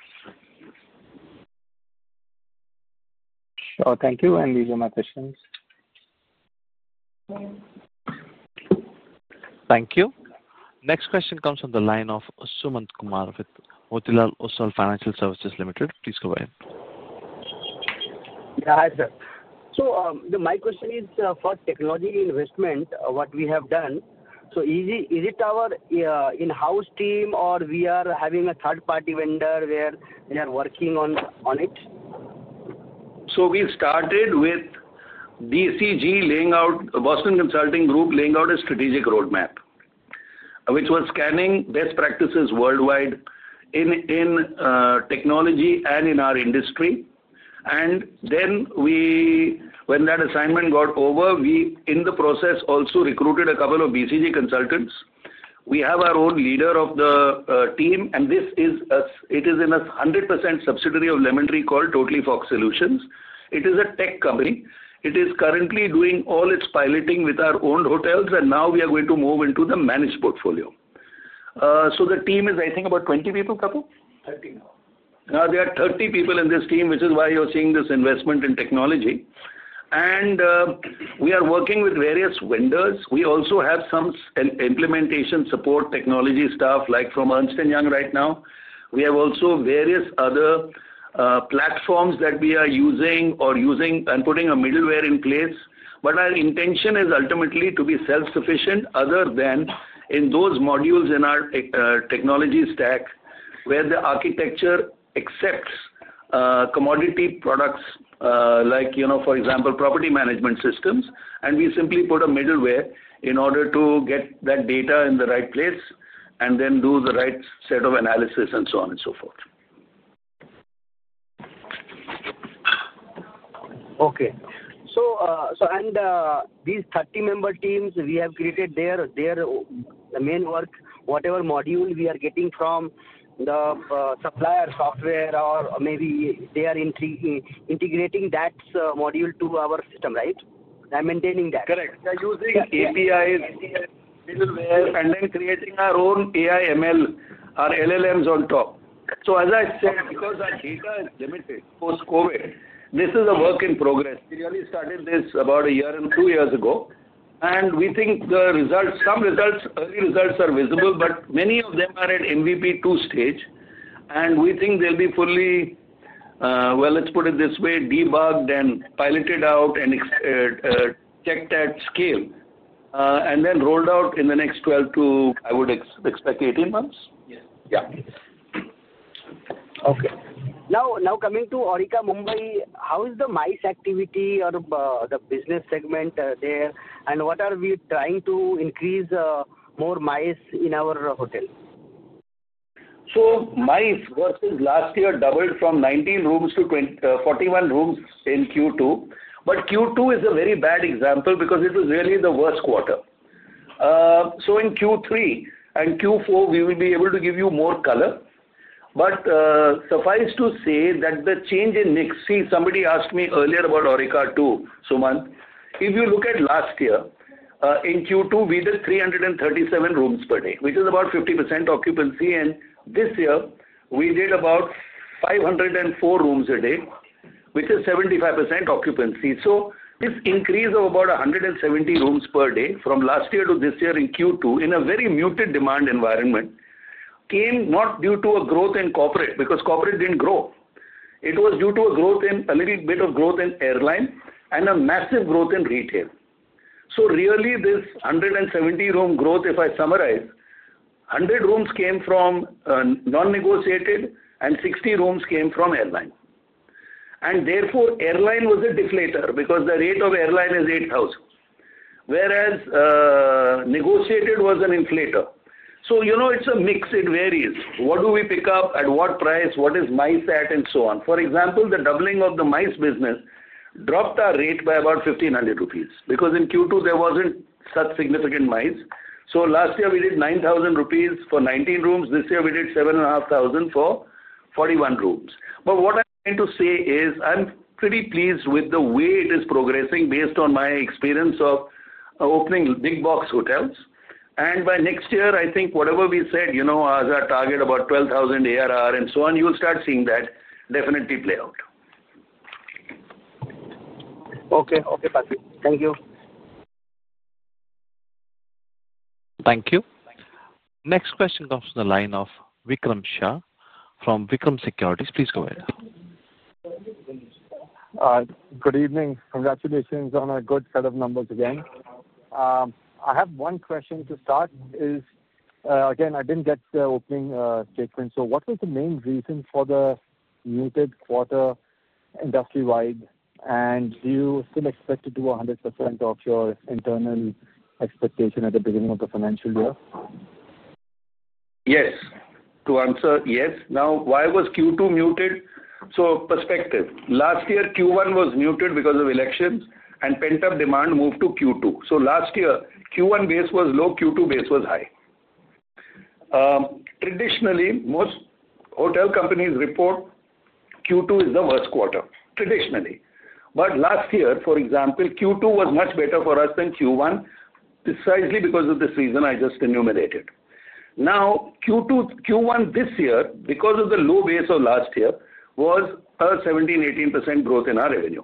Speaker 8: Sure. Thank you. These are my questions.
Speaker 1: Thank you. Next question comes from the line of Sumant Kumar with Motilal Oswal Financial Services Limited. Please go ahead.
Speaker 9: Yeah, hi sir. My question is for technology investment, what we have done. Is it our in-house team, or are we having a third-party vendor where they are working on it?
Speaker 3: We started with Boston Consulting Group laying out a strategic roadmap, which was scanning best practices worldwide in technology and in our industry. When that assignment got over, we in the process also recruited a couple of BCG consultants. We have our own leader of the team, and this is a 100% subsidiary of Lemon Tree called Totally Fox Solutions. It is a tech company. It is currently doing all its piloting with our own hotels, and now we are going to move into the managed portfolio. The team is, I think, about 20 people, Kapil?
Speaker 6: 30 now.
Speaker 3: There are 30 people in this team, which is why you're seeing this investment in technology. We are working with various vendors. We also have some implementation support technology staff, like from Ernst & Young right now. We have also various other platforms that we are using or using and putting a middleware in place. Our intention is ultimately to be self-sufficient other than in those modules in our technology stack where the architecture accepts commodity products, like for example, property management systems. We simply put a middleware in order to get that data in the right place and then do the right set of analysis and so on and so forth.
Speaker 9: Okay. These 30-member teams we have created, their main work, whatever module we are getting from the supplier software, or maybe they are integrating that module to our system, right? They are maintaining that.
Speaker 3: Correct. They're using APIs, middleware, and then creating our own AI/ML, our LLMs on top. As I said, because our data is limited post-COVID, this is a work in progress. We really started this about a year and two years ago. We think some early results are visible, but many of them are at MVP 2 stage. We think they'll be fully, let's put it this way, debugged and piloted out and checked at scale and then rolled out in the next 12 to, I would expect, 18 months.
Speaker 6: Yes.
Speaker 3: Yeah.
Speaker 9: Okay. Now coming to Aurika Mumbai, how is the MICE activity or the business segment there? What are we trying to increase, more MICE in our hotel?
Speaker 3: MICE versus last year doubled from 19 rooms to 41 rooms in Q2. Q2 is a very bad example because it was really the worst quarter. In Q3 and Q4, we will be able to give you more color. Suffice to say that the change in Nixi, somebody asked me earlier about Aurika too, Sumant. If you look at last year, in Q2, we did 337 rooms per day, which is about 50% occupancy. This year, we did about 504 rooms a day, which is 75% occupancy. This increase of about 170 rooms per day from last year to this year in Q2 in a very muted demand environment came not due to a growth in corporate because corporate did not grow. It was due to a little bit of growth in airline and a massive growth in retail. Really, this 170-room growth, if I summarize, 100 rooms came from non-negotiated, and 60 rooms came from airline. Therefore, airline was a deflator because the rate of airline is 8,000, whereas negotiated was an inflator. It is a mix. It varies. What do we pick up at what price? What is MICE at? And so on. For example, the doubling of the MICE business dropped our rate by about 1,500 rupees because in Q2, there was not such significant MICE. Last year, we did 9,000 rupees for 19 rooms. This year, we did 7,500 for 41 rooms. What I am trying to say is I am pretty pleased with the way it is progressing based on my experience of opening big box hotels. By next year, I think whatever we said as our target, about 12,000 ARR and so on, you will start seeing that definitely play out.
Speaker 9: Okay. Okay, Patanjali. Thank you.
Speaker 1: Thank you. Next question comes from the line of Vikram Shah from Vikram Securities. Please go ahead.
Speaker 10: Good evening. Congratulations on a good set of numbers again. I have one question to start. I didn't get the opening statement. What was the main reason for the muted quarter industry-wide? Do you still expect to do 100% of your internal expectation at the beginning of the financial year?
Speaker 3: Yes. To answer, yes. Now, why was Q2 muted? Perspective. Last year, Q1 was muted because of elections, and pent-up demand moved to Q2. Last year, Q1 base was low; Q2 base was high. Traditionally, most hotel companies report Q2 is the worst quarter, traditionally. Last year, for example, Q2 was much better for us than Q1, precisely because of this reason I just enumerated. Now, Q1 this year, because of the low base of last year, was a 17-18% growth in our revenue.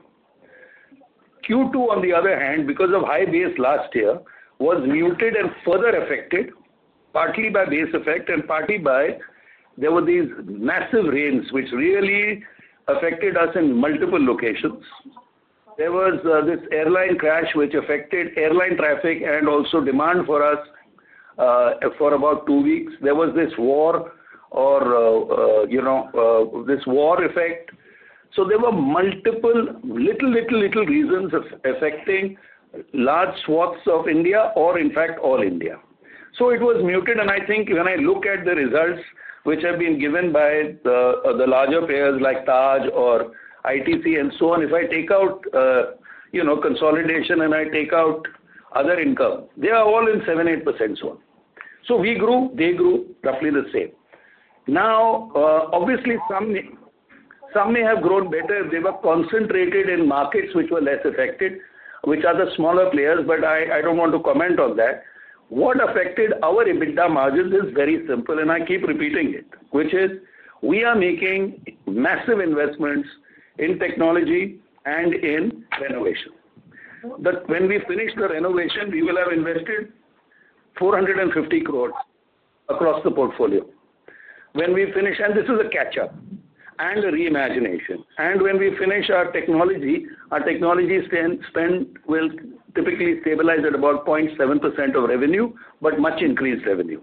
Speaker 3: Q2, on the other hand, because of high base last year, was muted and further affected partly by base effect and partly by there were these massive rains which really affected us in multiple locations. There was this airline crash which affected airline traffic and also demand for us for about two weeks. There was this war or this war effect. There were multiple little, little, little reasons affecting large swaths of India or, in fact, all India. It was muted. I think when I look at the results which have been given by the larger players like Taj or ITC and so on, if I take out consolidation and I take out other income, they are all in 7-8%, so on. We grew; they grew roughly the same. Obviously, some may have grown better. They were concentrated in markets which were less affected, which are the smaller players, but I do not want to comment on that. What affected our EBITDA margins is very simple, and I keep repeating it, which is we are making massive investments in technology and in renovation. When we finish the renovation, we will have invested 4.5 billion across the portfolio. This is a catch-up and a reimagination. When we finish our technology, our technology spend will typically stabilize at about 0.7% of revenue, but much increased revenue.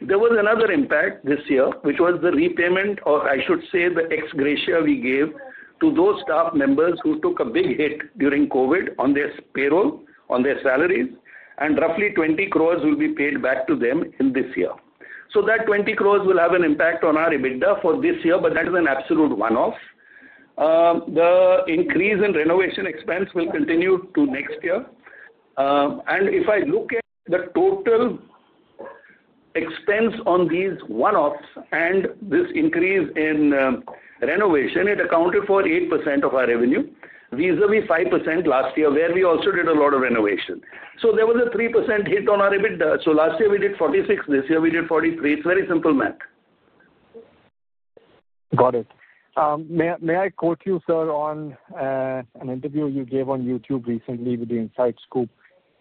Speaker 3: There was another impact this year, which was the repayment, or I should say the ex gratia we gave to those staff members who took a big hit during COVID on their payroll, on their salaries, and roughly 200,000,000 will be paid back to them this year. That 200,000,000 will have an impact on our EBITDA for this year, but that is an absolute one-off. The increase in renovation expense will continue to next year. If I look at the total expense on these one-offs and this increase in renovation, it accounted for 8% of our revenue, vis-à-vis 5% last year, where we also did a lot of renovation. There was a 3% hit on our EBITDA. Last year, we did 46; this year, we did 43. It's very simple math.
Speaker 10: Got it. May I quote you, sir, on an interview you gave on YouTube recently with Insight Scoop,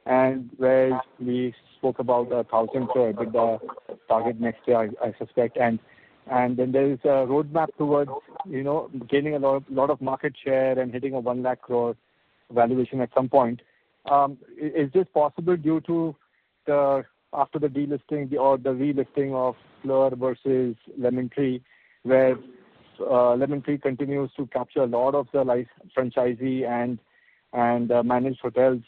Speaker 10: where we spoke about a 1,000 crore EBITDA target next year, I suspect? There is a roadmap towards gaining a lot of market share and hitting a 1 lakh crore valuation at some point. Is this possible due to after the delisting or the relisting of Flio versus Lemon Tree, where Lemon Tree continues to capture a lot of the franchisee and managed hotels,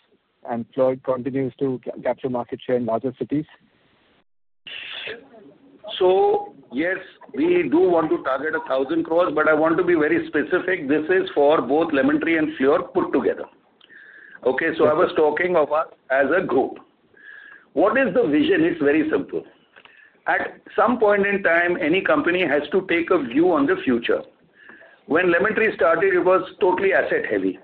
Speaker 10: and Flio continues to capture market share in larger cities?
Speaker 3: Yes, we do want to target 1,000 crore, but I want to be very specific. This is for both Lemon Tree and Flio put together. Okay? I was talking of us as a group. What is the vision? It's very simple. At some point in time, any company has to take a view on the future. When Lemon Tree started, it was totally asset-heavy.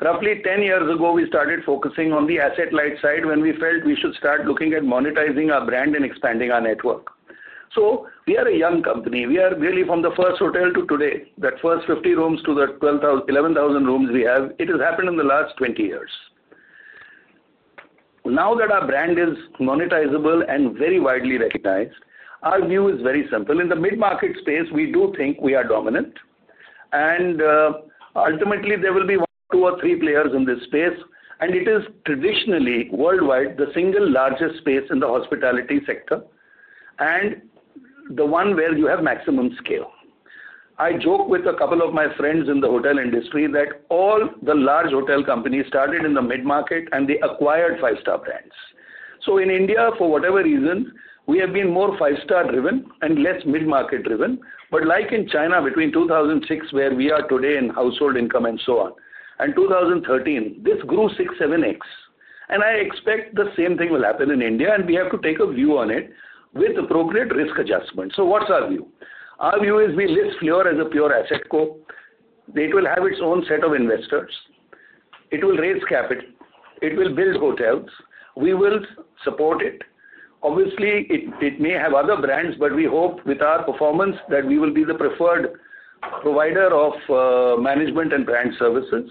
Speaker 3: Roughly 10 years ago, we started focusing on the asset-light side when we felt we should start looking at monetizing our brand and expanding our network. We are a young company. We are really from the first hotel to today, that first 50 rooms to the 11,000 rooms we have. It has happened in the last 20 years. Now that our brand is monetizable and very widely recognized, our view is very simple. In the mid-market space, we do think we are dominant. Ultimately, there will be one or two or three players in this space. It is traditionally, worldwide, the single largest space in the hospitality sector and the one where you have maximum scale. I joke with a couple of my friends in the hotel industry that all the large hotel companies started in the mid-market, and they acquired five-star brands. In India, for whatever reason, we have been more five-star-driven and less mid-market-driven. Like in China between 2006, where we are today in household income and so on, and 2013, this grew 6-7x. I expect the same thing will happen in India, and we have to take a view on it with appropriate risk adjustment. What's our view? Our view is we list Flio as a pure asset core. It will have its own set of investors. It will raise capital. It will build hotels. We will support it. Obviously, it may have other brands, but we hope with our performance that we will be the preferred provider of management and brand services.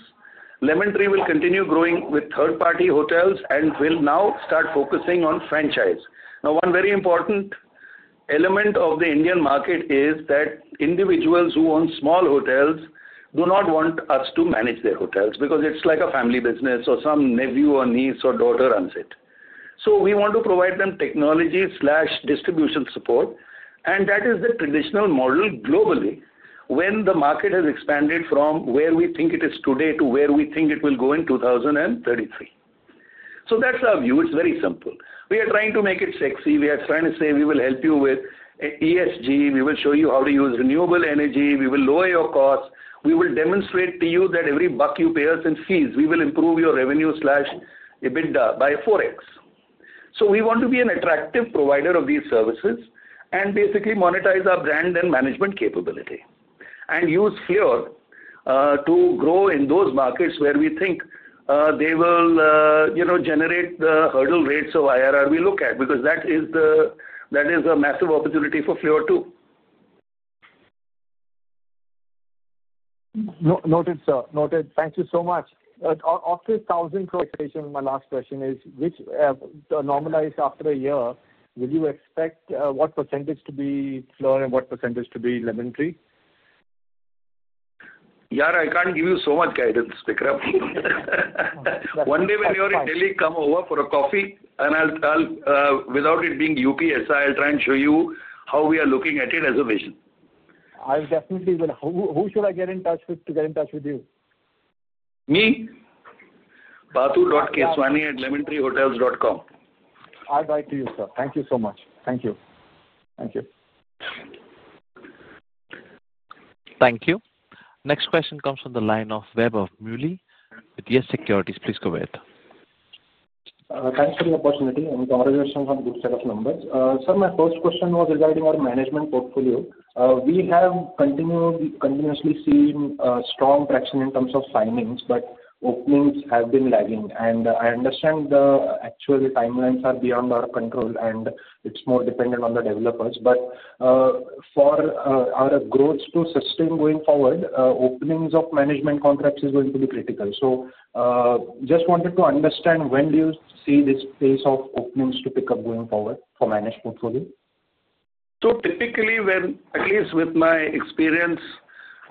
Speaker 3: Lemon Tree will continue growing with third-party hotels and will now start focusing on franchise. Now, one very important element of the Indian market is that individuals who own small hotels do not want us to manage their hotels because it's like a family business or some nephew or niece or daughter runs it. We want to provide them technology/distribution support. That is the traditional model globally when the market has expanded from where we think it is today to where we think it will go in 2033. That's our view. It's very simple. We are trying to make it sexy. We are trying to say we will help you with ESG. We will show you how to use renewable energy. We will lower your costs. We will demonstrate to you that every buck you pay us in fees, we will improve your revenue/EBITDA by 4x. We want to be an attractive provider of these services and basically monetize our brand and management capability and use Flio to grow in those markets where we think they will generate the hurdle rates of IRR we look at because that is a massive opportunity for Flio too.
Speaker 10: Noted, sir. Noted. Thank you so much. After 1,000 crore expectation, my last question is, normalized after a year, will you expect what % to be Flio and what % to be Lemon Tree?
Speaker 3: Yar, I can't give you so much guidance, Vikram. One day, when you're in Delhi, come over for a coffee, and without it being UPSI, I'll try and show you how we are looking at it as a vision.
Speaker 10: I definitely will. Who should I get in touch with to get in touch with you?
Speaker 3: Me? Bathu.keswani@lemontreehotels.com.
Speaker 10: I'll write to you, sir. Thank you so much. Thank you. Thank you.
Speaker 1: Thank you. Next question comes from the line of Webb Mulli with Yes Securities. Please go ahead.
Speaker 11: Thanks for the opportunity and congratulations on good set of numbers. Sir, my first question was regarding our management portfolio. We have continuously seen strong traction in terms of signings, but openings have been lagging. I understand the actual timelines are beyond our control, and it's more dependent on the developers. For our growth to sustain going forward, openings of management contracts is going to be critical. Just wanted to understand when do you see this pace of openings to pick up going forward for managed portfolio?
Speaker 3: Typically, at least with my experience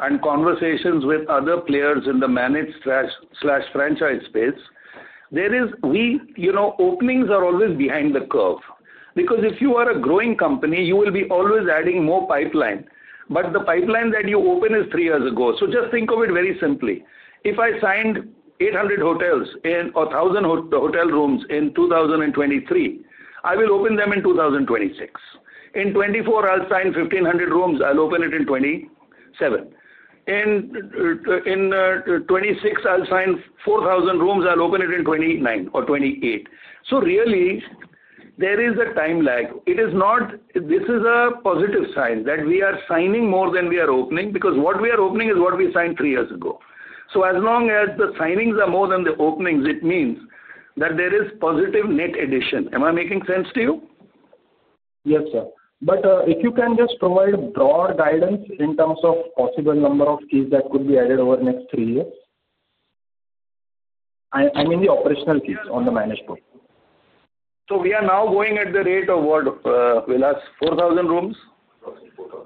Speaker 3: and conversations with other players in the managed/franchise space, openings are always behind the curve. Because if you are a growing company, you will always be adding more pipeline. The pipeline that you open is three years ago. Just think of it very simply. If I signed 800 hotels or 1,000 hotel rooms in 2023, I will open them in 2026. In 2024, I'll sign 1,500 rooms. I'll open it in 2027. In 2026, I'll sign 4,000 rooms. I'll open it in 2029 or 2028. There is a time lag. This is a positive sign that we are signing more than we are opening because what we are opening is what we signed three years ago. As long as the signings are more than the openings, it means that there is positive net addition. Am I making sense to you?
Speaker 11: Yes, sir. If you can just provide broad guidance in terms of possible number of keys that could be added over the next three years, I mean the operational keys on the managed portfolio.
Speaker 3: We are now going at the rate of what will get us 4,000 rooms.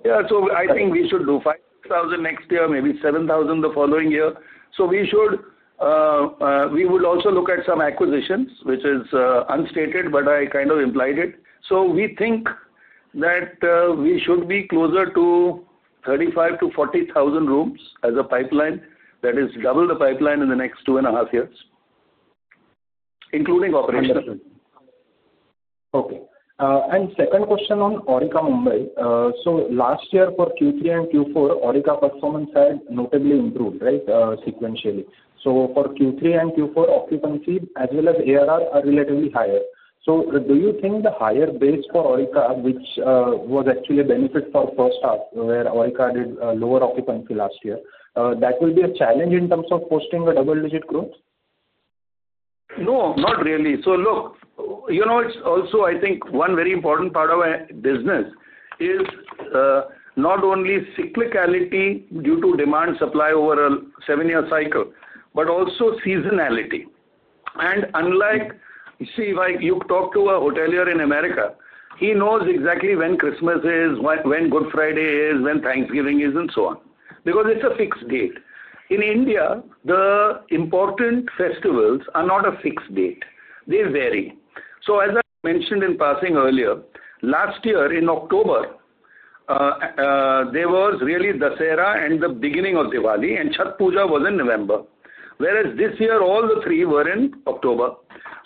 Speaker 3: Yeah. I think we should do 5,000 next year, maybe 7,000 the following year. We would also look at some acquisitions, which is unstated, but I kind of implied it. We think that we should be closer to 35,000-40,000 rooms as a pipeline that is double the pipeline in the next two and a half years, including operational.
Speaker 10: Okay. Second question on Aurika Mumbai. Last year, for Q3 and Q4, Aurika performance had notably improved, right, sequentially. For Q3 and Q4, occupancy as well as ARR are relatively higher. Do you think the higher base for Aurika, which was actually a benefit for first half, where Aurika did lower occupancy last year, that will be a challenge in terms of posting a double-digit growth?
Speaker 3: No, not really. Look, it's also, I think, one very important part of a business is not only cyclicality due to demand-supply over a seven-year cycle, but also seasonality. See, if you talk to a hotelier in America, he knows exactly when Christmas is, when Good Friday is, when Thanksgiving is, and so on, because it's a fixed date. In India, the important festivals are not a fixed date. They vary. As I mentioned in passing earlier, last year in October, there was really Dussehra and the beginning of Diwali, and Chhatpujha was in November, whereas this year, all three were in October.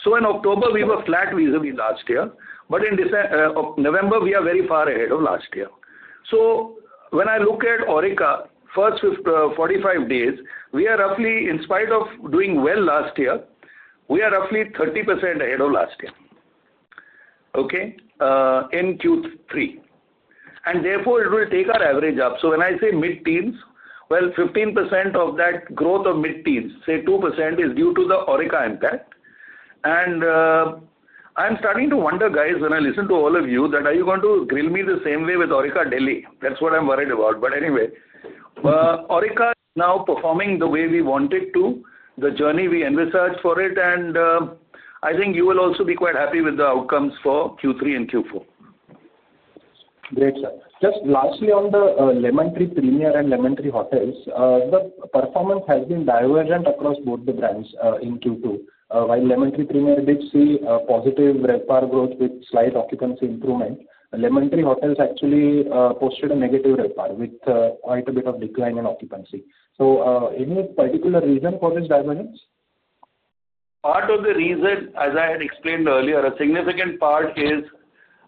Speaker 3: In October, we were flat vis-à-vis last year, but in November, we are very far ahead of last year. When I look at Aurika, first 45 days, in spite of doing well last year, we are roughly 30% ahead of last year in Q3. Therefore, it will take our average up. When I say mid-teens, 15% of that growth of mid-teens, say 2%, is due to the Aurika impact. I'm starting to wonder, guys, when I listen to all of you, are you going to grill me the same way with Aurika Delhi? That's what I'm worried about. Anyway, Aurika is now performing the way we want it to, the journey we envisaged for it. I think you will also be quite happy with the outcomes for Q3 and Q4.
Speaker 11: Great, sir. Just lastly, on the Lemon Tree Premier and Lemon Tree Hotels, the performance has been divergent across both the brands in Q2. While Lemon Tree Premier did see positive RevPAR growth with slight occupancy improvement, Lemon Tree Hotels actually posted a negative RevPAR with quite a bit of decline in occupancy. Any particular reason for this divergence?
Speaker 3: Part of the reason, as I had explained earlier, a significant part is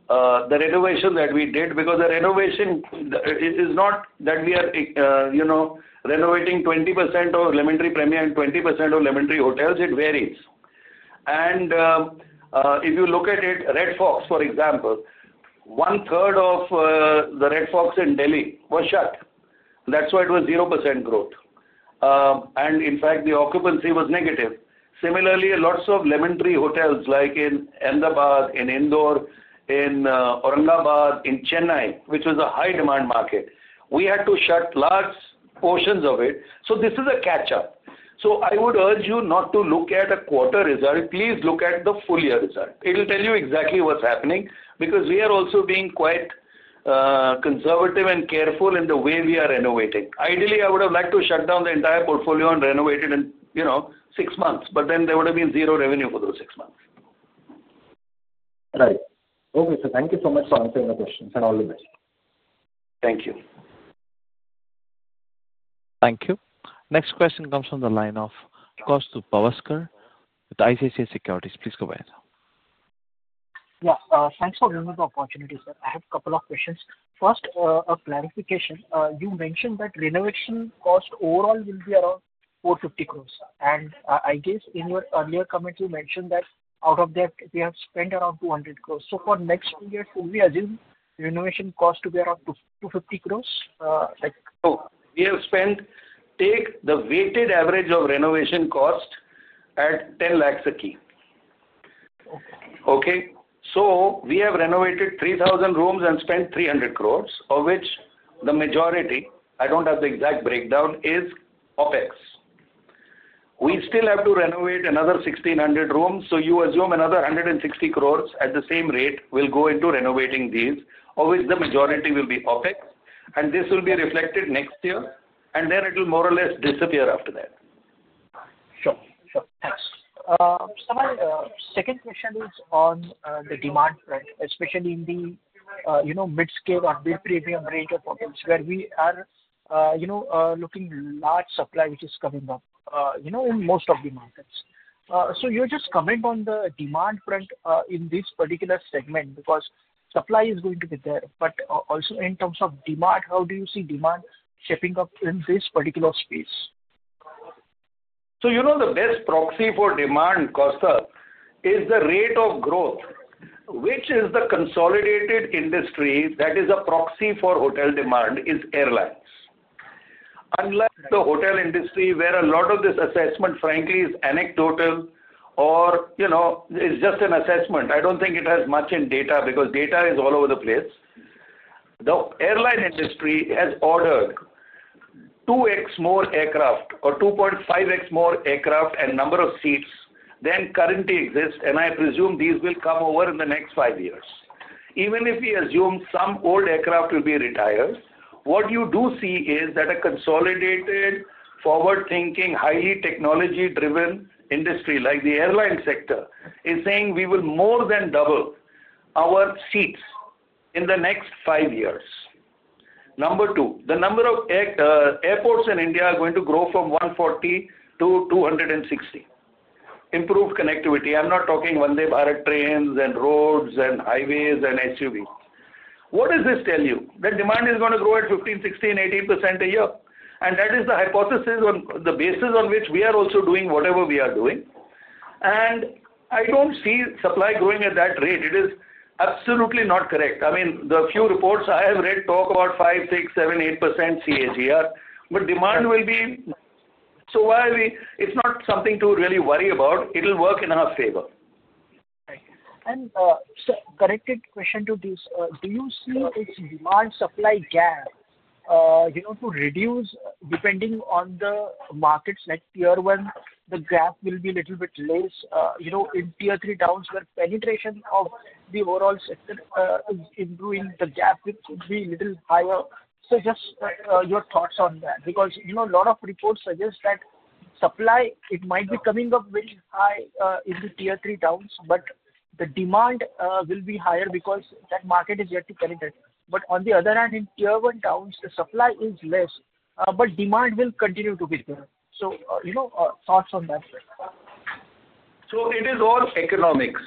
Speaker 3: the renovation that we did because the renovation is not that we are renovating 20% of Lemon Tree Premier and 20% of Lemon Tree Hotels. It varies. If you look at it, Red Fox, for example, one-third of the Red Fox in Delhi was shut. That's why it was 0% growth. In fact, the occupancy was negative. Similarly, lots of Lemon Tree Hotels like in Ahmedabad, in Indore, in Aurangabad, in Chennai, which was a high-demand market, we had to shut large portions of it. This is a catch-up. I would urge you not to look at a quarter result. Please look at the full year result. It will tell you exactly what's happening because we are also being quite conservative and careful in the way we are renovating. Ideally, I would have liked to shut down the entire portfolio and renovate it in six months, but then there would have been zero revenue for those six months.
Speaker 7: Right. Okay, sir. Thank you so much for answering the questions. All the best.
Speaker 3: Thank you.
Speaker 1: Thank you. Next question comes from the line of Kostubh Bhavsar with ICICI Securities. Please go ahead.
Speaker 12: Yeah. Thanks for bringing the opportunity, sir. I have a couple of questions. First, a clarification. You mentioned that renovation cost overall will be around 450 crore. And I guess in your earlier comment, you mentioned that out of that, we have spent around 200 crore. For next two years, will we assume renovation cost to be around 250 crore?
Speaker 3: No. We have spent, take the weighted average of renovation cost at 1,000,000 a key. Okay? We have renovated 3,000 rooms and spent 3,000,000,000, of which the majority, I do not have the exact breakdown, is OPEX. We still have to renovate another 1,600 rooms. You assume another 1,600,000,000 at the same rate will go into renovating these, of which the majority will be OPEX. This will be reflected next year, and then it will more or less disappear after that.
Speaker 12: Sure. Sure. Thanks. Somal, second question is on the demand front, especially in the mid-scale or mid-premium range of hotels where we are looking at large supply, which is coming up in most of the markets. Could you just comment on the demand front in this particular segment because supply is going to be there? Also, in terms of demand, how do you see demand shaping up in this particular space?
Speaker 3: The best proxy for demand, Kostubh, is the rate of growth, which is the consolidated industry that is a proxy for hotel demand, is airlines. Unlike the hotel industry, where a lot of this assessment, frankly, is anecdotal or is just an assessment, I do not think it has much in data because data is all over the place. The airline industry has ordered 2x more aircraft or 2.5x more aircraft and number of seats than currently exist. I presume these will come over in the next five years. Even if we assume some old aircraft will be retired, what you do see is that a consolidated, forward-thinking, highly technology-driven industry like the airline sector is saying we will more than double our seats in the next five years. Number two, the number of airports in India are going to grow from 140 to 260. Improved connectivity. I'm not talking Vande Bharat trains and roads and highways and SUVs. What does this tell you? That demand is going to grow at 15%-16%-18% a year. That is the hypothesis on the basis on which we are also doing whatever we are doing. I don't see supply growing at that rate. It is absolutely not correct. I mean, the few reports I have read talk about 5%-6%-7%-8% CAGR, but demand will be. It is not something to really worry about. It will work in our favor.
Speaker 12: Right. Sir, a related question to this. Do you see its demand-supply gap to reduce depending on the markets? Like in tier one, the gap will be a little bit less. In tier three towns, where penetration of the overall sector is improving, the gap could be a little higher. Just your thoughts on that because a lot of reports suggest that supply, it might be coming up very high in the tier three towns, but the demand will be higher because that market is yet to penetrate. On the other hand, in tier one towns, the supply is less, but demand will continue to be there. Thoughts on that?
Speaker 3: It is all economics.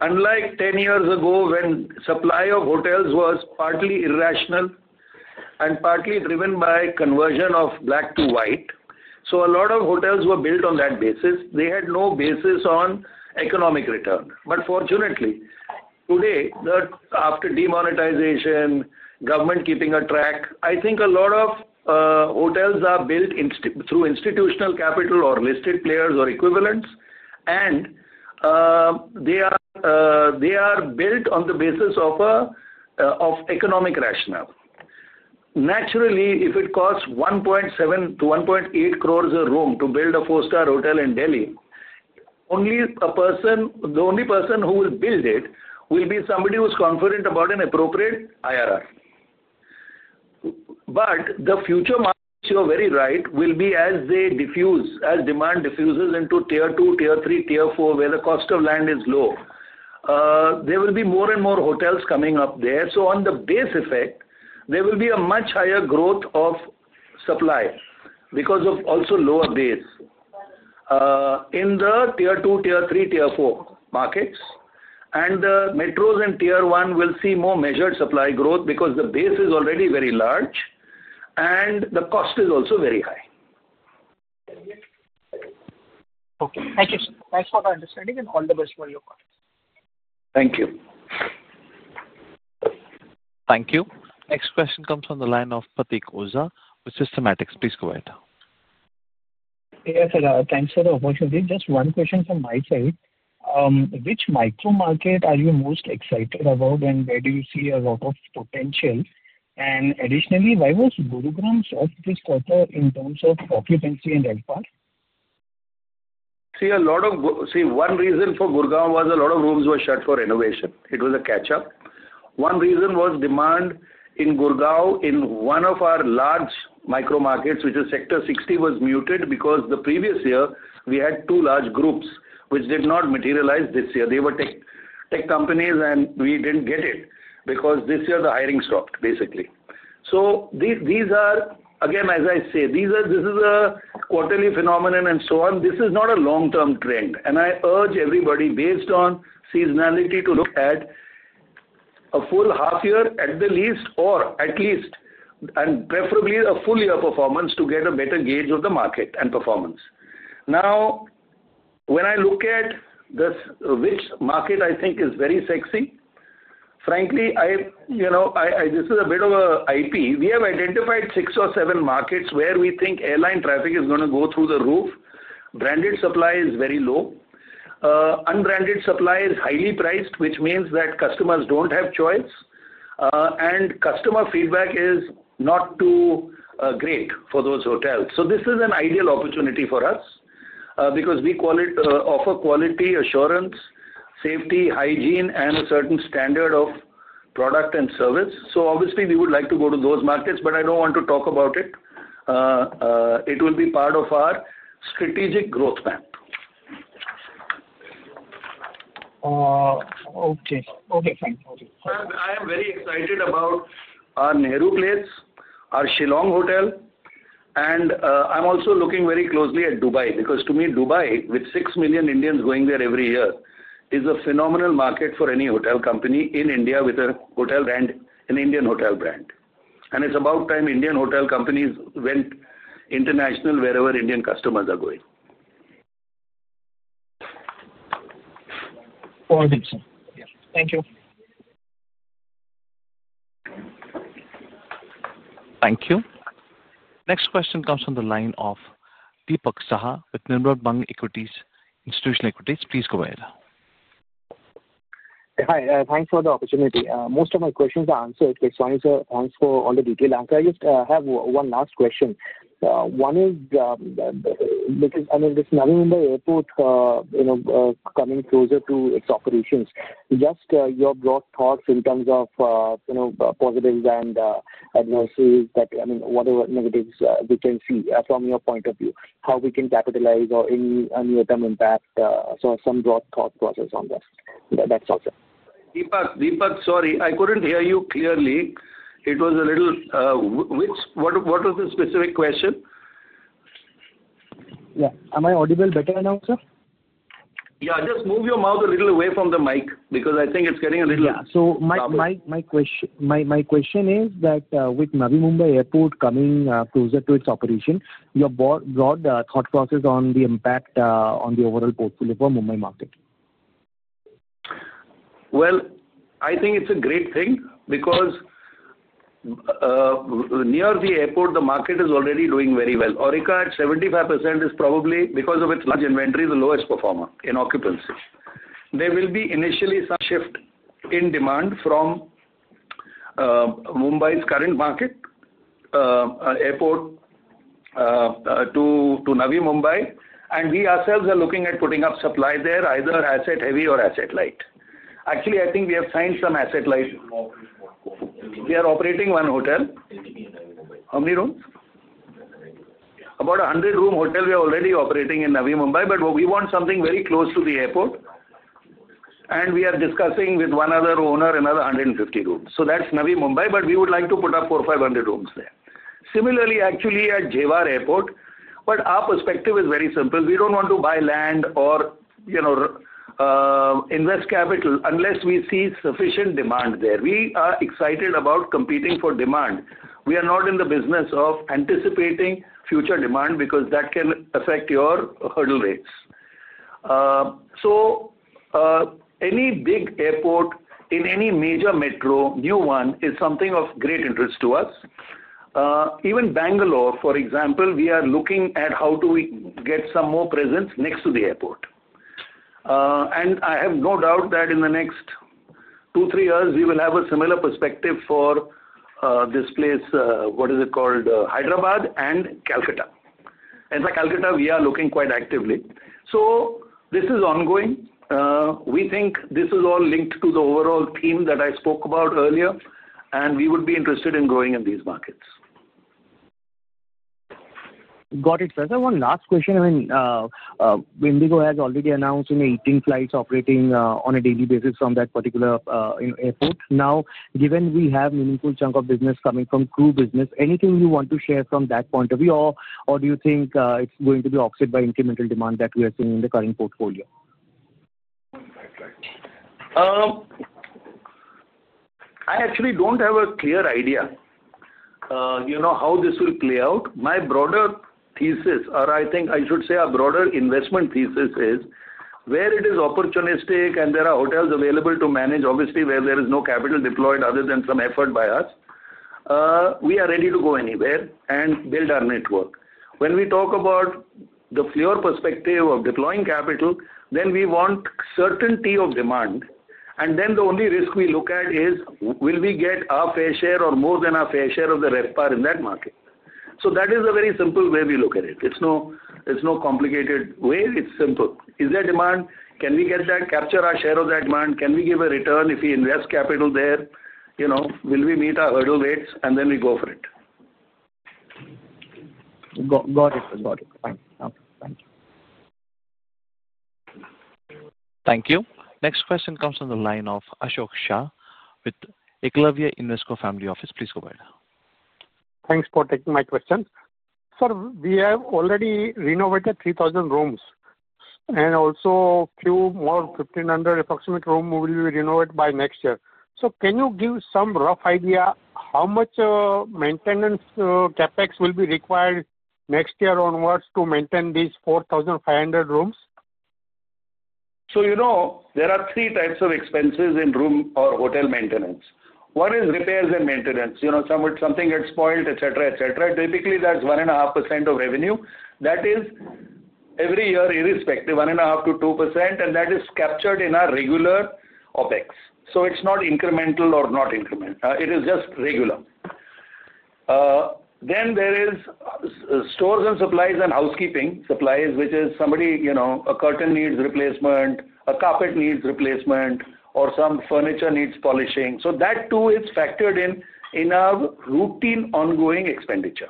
Speaker 3: Unlike 10 years ago, when supply of hotels was partly irrational and partly driven by conversion of black to white, a lot of hotels were built on that basis. They had no basis on economic return. Fortunately, today, after demonetization, government keeping a track, I think a lot of hotels are built through institutional capital or listed players or equivalents, and they are built on the basis of economic rationale. Naturally, if it costs 1.7-1.8 crore a room to build a four-star hotel in Delhi, the only person who will build it will be somebody who's confident about an appropriate IRR. The future markets, you're very right, will be as they diffuse, as demand diffuses into tier two, tier three, tier four, where the cost of land is low. There will be more and more hotels coming up there. On the base effect, there will be a much higher growth of supply because of also lower base in the tier two, tier three, tier four markets. The metros in tier one will see more measured supply growth because the base is already very large and the cost is also very high.
Speaker 12: Okay. Thank you, sir. Thanks for the understanding and all the best for your work.
Speaker 3: Thank you.
Speaker 1: Thank you. Next question comes from the line of Pratheek Oza with Systematix. Please go ahead.
Speaker 13: Yes, sir. Thanks for the opportunity. Just one question from my side. Which micro market are you most excited about, and where do you see a lot of potential? Additionally, why was Gurgaon soft this quarter in terms of occupancy and RevPAR?
Speaker 3: See, one reason for Gurugram was a lot of rooms were shut for renovation. It was a catch-up. One reason was demand in Gurugram in one of our large micro markets, which is Sector 60, was muted because the previous year, we had two large groups which did not materialize this year. They were tech companies, and we did not get it because this year, the hiring stopped, basically. Again, as I say, this is a quarterly phenomenon and so on. This is not a long-term trend. I urge everybody, based on seasonality, to look at a full half year at the least or at least, and preferably a full year performance to get a better gauge of the market and performance. Now, when I look at which market I think is very sexy, frankly, this is a bit of an IP. We have identified six or seven markets where we think airline traffic is going to go through the roof. Branded supply is very low. Unbranded supply is highly priced, which means that customers do not have choice, and customer feedback is not too great for those hotels. This is an ideal opportunity for us because we offer quality assurance, safety, hygiene, and a certain standard of product and service. Obviously, we would like to go to those markets, but I do not want to talk about it. It will be part of our strategic growth path.
Speaker 13: Okay. Okay, fine.
Speaker 3: I am very excited about our Nehru Place, our Shillong hotel, and I'm also looking very closely at Dubai because to me, Dubai, with 6 million Indians going there every year, is a phenomenal market for any hotel company in India with an Indian hotel brand. It is about time Indian hotel companies went international wherever Indian customers are going.
Speaker 13: All good, sir. Thank you.
Speaker 1: Thank you. Next question comes from the line of Deepak Sahar with Nimrod Bank Institutional Equities. Please go ahead.
Speaker 14: Hi. Thanks for the opportunity. Most of my questions are answered. Thanks, Swamishir, thanks for all the detail. I just have one last question. One is, I mean, this Navi Mumbai Airport coming closer to its operations, just your broad thoughts in terms of positives and adversaries, I mean, whatever negatives we can see from your point of view, how we can capitalize or any near-term impact. Some broad thought process on that. That's all, sir.
Speaker 3: Deepak, sorry, I couldn't hear you clearly. It was a little—what was the specific question?
Speaker 15: Yeah. Am I audible better now, sir?
Speaker 3: Yeah. Just move your mouth a little away from the mic because I think it's getting a little—
Speaker 15: Yeah. So my question is that with Navi Mumbai Airport coming closer to its operation, your broad thought process on the impact on the overall portfolio for Mumbai market?
Speaker 3: I think it's a great thing because near the airport, the market is already doing very well. Aurika, 75% is probably because of its large inventory, the lowest performer in occupancy. There will be initially some shift in demand from Mumbai's current market airport to Navi Mumbai. We ourselves are looking at putting up supply there, either asset-heavy or asset-light. Actually, I think we have signed some asset-light. We are operating one hotel. How many rooms? About 100-room hotel we are already operating in Navi Mumbai, but we want something very close to the airport. We are discussing with one other owner another 150 rooms. That's Navi Mumbai, but we would like to put up 4,500 rooms there. Similarly, actually, at Jewar Airport, but our perspective is very simple. We don't want to buy land or invest capital unless we see sufficient demand there. We are excited about competing for demand. We are not in the business of anticipating future demand because that can affect your hurdle rates. Any big airport in any major metro, new one, is something of great interest to us. Even Bangalore, for example, we are looking at how to get some more presence next to the airport. I have no doubt that in the next two, three years, we will have a similar perspective for this place, what is it called, Hyderabad and Kolkata. In fact, Kolkata, we are looking quite actively. This is ongoing. We think this is all linked to the overall theme that I spoke about earlier, and we would be interested in growing in these markets.
Speaker 14: Got it, sir. One last question. I mean, Bendigo has already announced 18 flights operating on a daily basis from that particular airport. Now, given we have a meaningful chunk of business coming from crew business, anything you want to share from that point of view, or do you think it's going to be offset by incremental demand that we are seeing in the current portfolio?
Speaker 3: I actually do not have a clear idea how this will play out. My broader thesis, or I think I should say our broader investment thesis is where it is opportunistic and there are hotels available to manage, obviously, where there is no capital deployed other than some effort by us, we are ready to go anywhere and build our network. When we talk about the flair perspective of deploying capital, then we want certainty of demand. The only risk we look at is, will we get our fair share or more than our fair share of the RevPAR in that market? That is a very simple way we look at it. It is no complicated way. It is simple. Is there demand? Can we get that? Capture our share of that demand? Can we give a return if we invest capital there? Will we meet our hurdle rates? We go for it.
Speaker 13: Got it. Got it. Thank you.
Speaker 1: Thank you. Next question comes from the line of Ashok Shah with Iqlavia Invesco Family Office. Please go ahead.
Speaker 16: Thanks for taking my question. Sir, we have already renovated 3,000 rooms and also a few more 1,500 approximate rooms will be renovated by next year. Can you give some rough idea how much maintenance CAPEX will be required next year onwards to maintain these 4,500 rooms?
Speaker 3: There are three types of expenses in room or hotel maintenance. One is repairs and maintenance. Something gets spoiled, etc., etc. Typically, that's 1.5% of revenue. That is every year, irrespective, 1.5-2%, and that is captured in our regular OPEX. It is not incremental or not incremental. It is just regular. There are stores and supplies and housekeeping supplies, which is somebody, a curtain needs replacement, a carpet needs replacement, or some furniture needs polishing. That too is factored in our routine ongoing expenditure.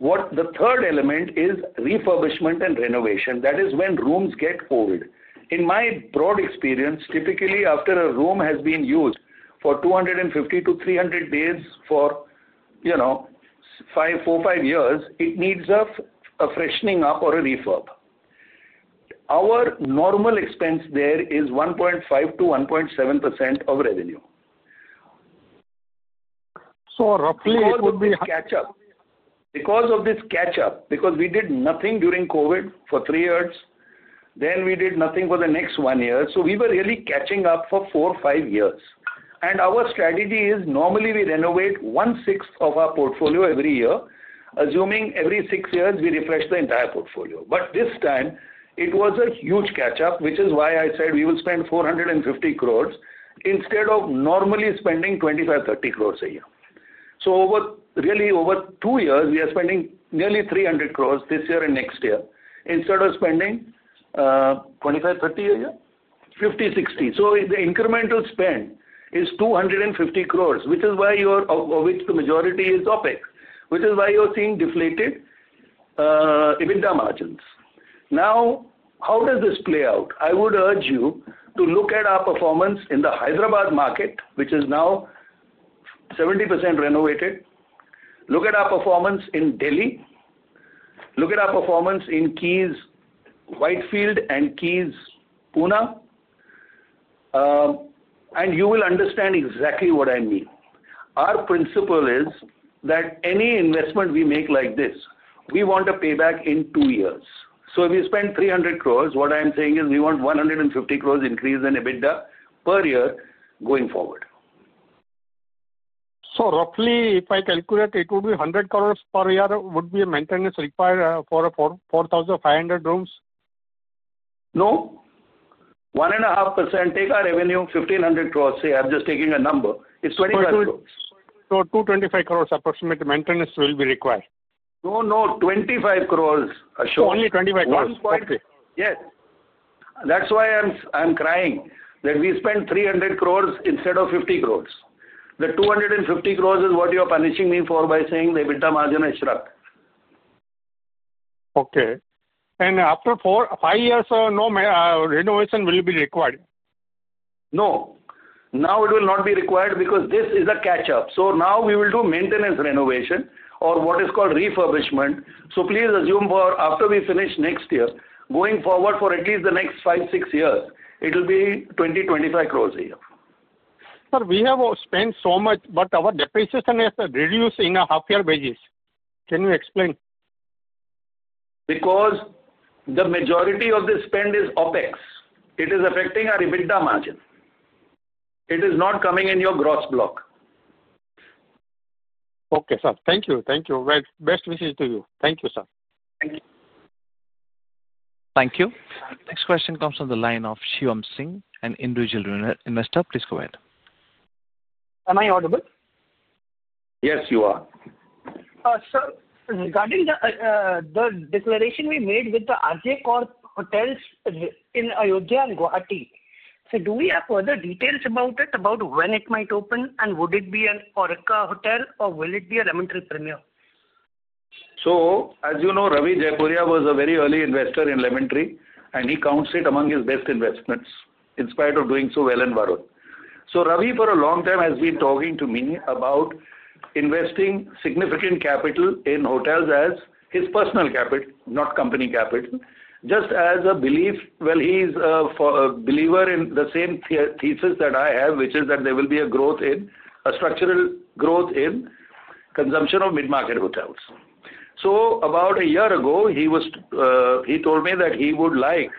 Speaker 3: The third element is refurbishment and renovation. That is when rooms get old. In my broad experience, typically, after a room has been used for 250-300 days for four, five years, it needs a freshening up or a refurb. Our normal expense there is 1.5-1.7% of revenue.
Speaker 16: Roughly, it would be—
Speaker 3: Because of this catch-up, because we did nothing during COVID for three years, then we did nothing for the next one year. We were really catching up for four-five years. Our strategy is normally we renovate one-sixth of our portfolio every year, assuming every six years we refresh the entire portfolio. This time, it was a huge catch-up, which is why I said we will spend 4.5 billion instead of normally spending 250 million-300 million a year. Really, over two years, we are spending nearly 3 billion this year and next year instead of spending 250 million-300 million a year, 500 million-600 million. The incremental spend is 2.5 billion, the majority of which is OPEX, which is why you are seeing deflated EBITDA margins. Now, how does this play out? I would urge you to look at our performance in the Hyderabad market, which is now 70% renovated. Look at our performance in Delhi. Look at our performance in Keys, Whitefield, and Keys, Pune. You will understand exactly what I mean. Our principle is that any investment we make like this, we want a payback in two years. If we spend 300 crore, what I am saying is we want 150 crore increase in EBITDA per year going forward.
Speaker 16: So roughly, if I calculate, it would be 100 crore per year would be maintenance required for 4,500 rooms?
Speaker 3: No. 1.5% take our revenue, 1,500 crore. See, I'm just taking a number. It's 25 crore.
Speaker 16: 225 crore approximate maintenance will be required.
Speaker 3: No, no. 250,000,000, Ashok.
Speaker 16: Only 250,000,000.
Speaker 3: Yes. That's why I'm crying that we spend 300 crore instead of 50 crore. The 250 crore is what you are punishing me for by saying the EBITDA margin is shrunk.
Speaker 16: Okay. After five years, no renovation will be required?
Speaker 3: No. Now it will not be required because this is a catch-up. So now we will do maintenance renovation or what is called refurbishment. Please assume after we finish next year, going forward for at least the next five-six years, it will be 20-25 crore a year.
Speaker 16: Sir, we have spent so much, but our depreciation has reduced in a half-year basis. Can you explain?
Speaker 3: Because the majority of the spend is OPEX. It is affecting our EBITDA margin. It is not coming in your gross block.
Speaker 16: Okay, sir. Thank you. Thank you. Best wishes to you. Thank you, sir.
Speaker 3: Thank you.
Speaker 1: Thank you. Next question comes from the line of Shivam Singh, an individual investor. Please go ahead.
Speaker 17: Am I audible?
Speaker 3: Yes, you are.
Speaker 17: Sir, regarding the declaration we made with the Arjay Corp Hotels in Ayodhya and Guwahati, do we have further details about it, about when it might open, and would it be an Aurika Hotel, or will it be a Lemon Tree Premier?
Speaker 3: As you know, Ravi Jaikumar was a very early investor in Lemon Tree, and he counts it among his best investments in spite of doing so well in Varrur. Ravi, for a long time, has been talking to me about investing significant capital in hotels as his personal capital, not company capital, just as a belief. He is a believer in the same thesis that I have, which is that there will be a growth in, a structural growth in consumption of mid-market hotels. About a year ago, he told me that he would like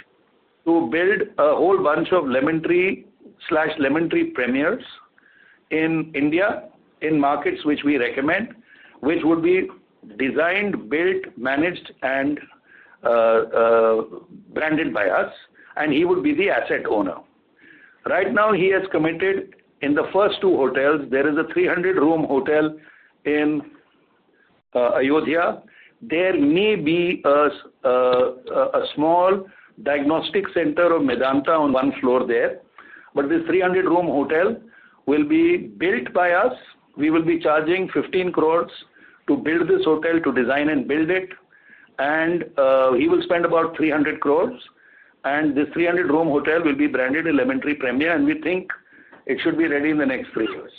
Speaker 3: to build a whole bunch of Lemon Tree Premiers in India in markets which we recommend, which would be designed, built, managed, and branded by us, and he would be the asset owner. Right now, he has committed in the first two hotels. There is a 300-room hotel in Ayodhya. There may be a small diagnostic center of Medanta on one floor there. This 300-room hotel will be built by us. We will be charging 15 crore to build this hotel, to design and build it. He will spend about 300 crore. This 300-room hotel will be branded Lemon Tree Premier, and we think it should be ready in the next three years.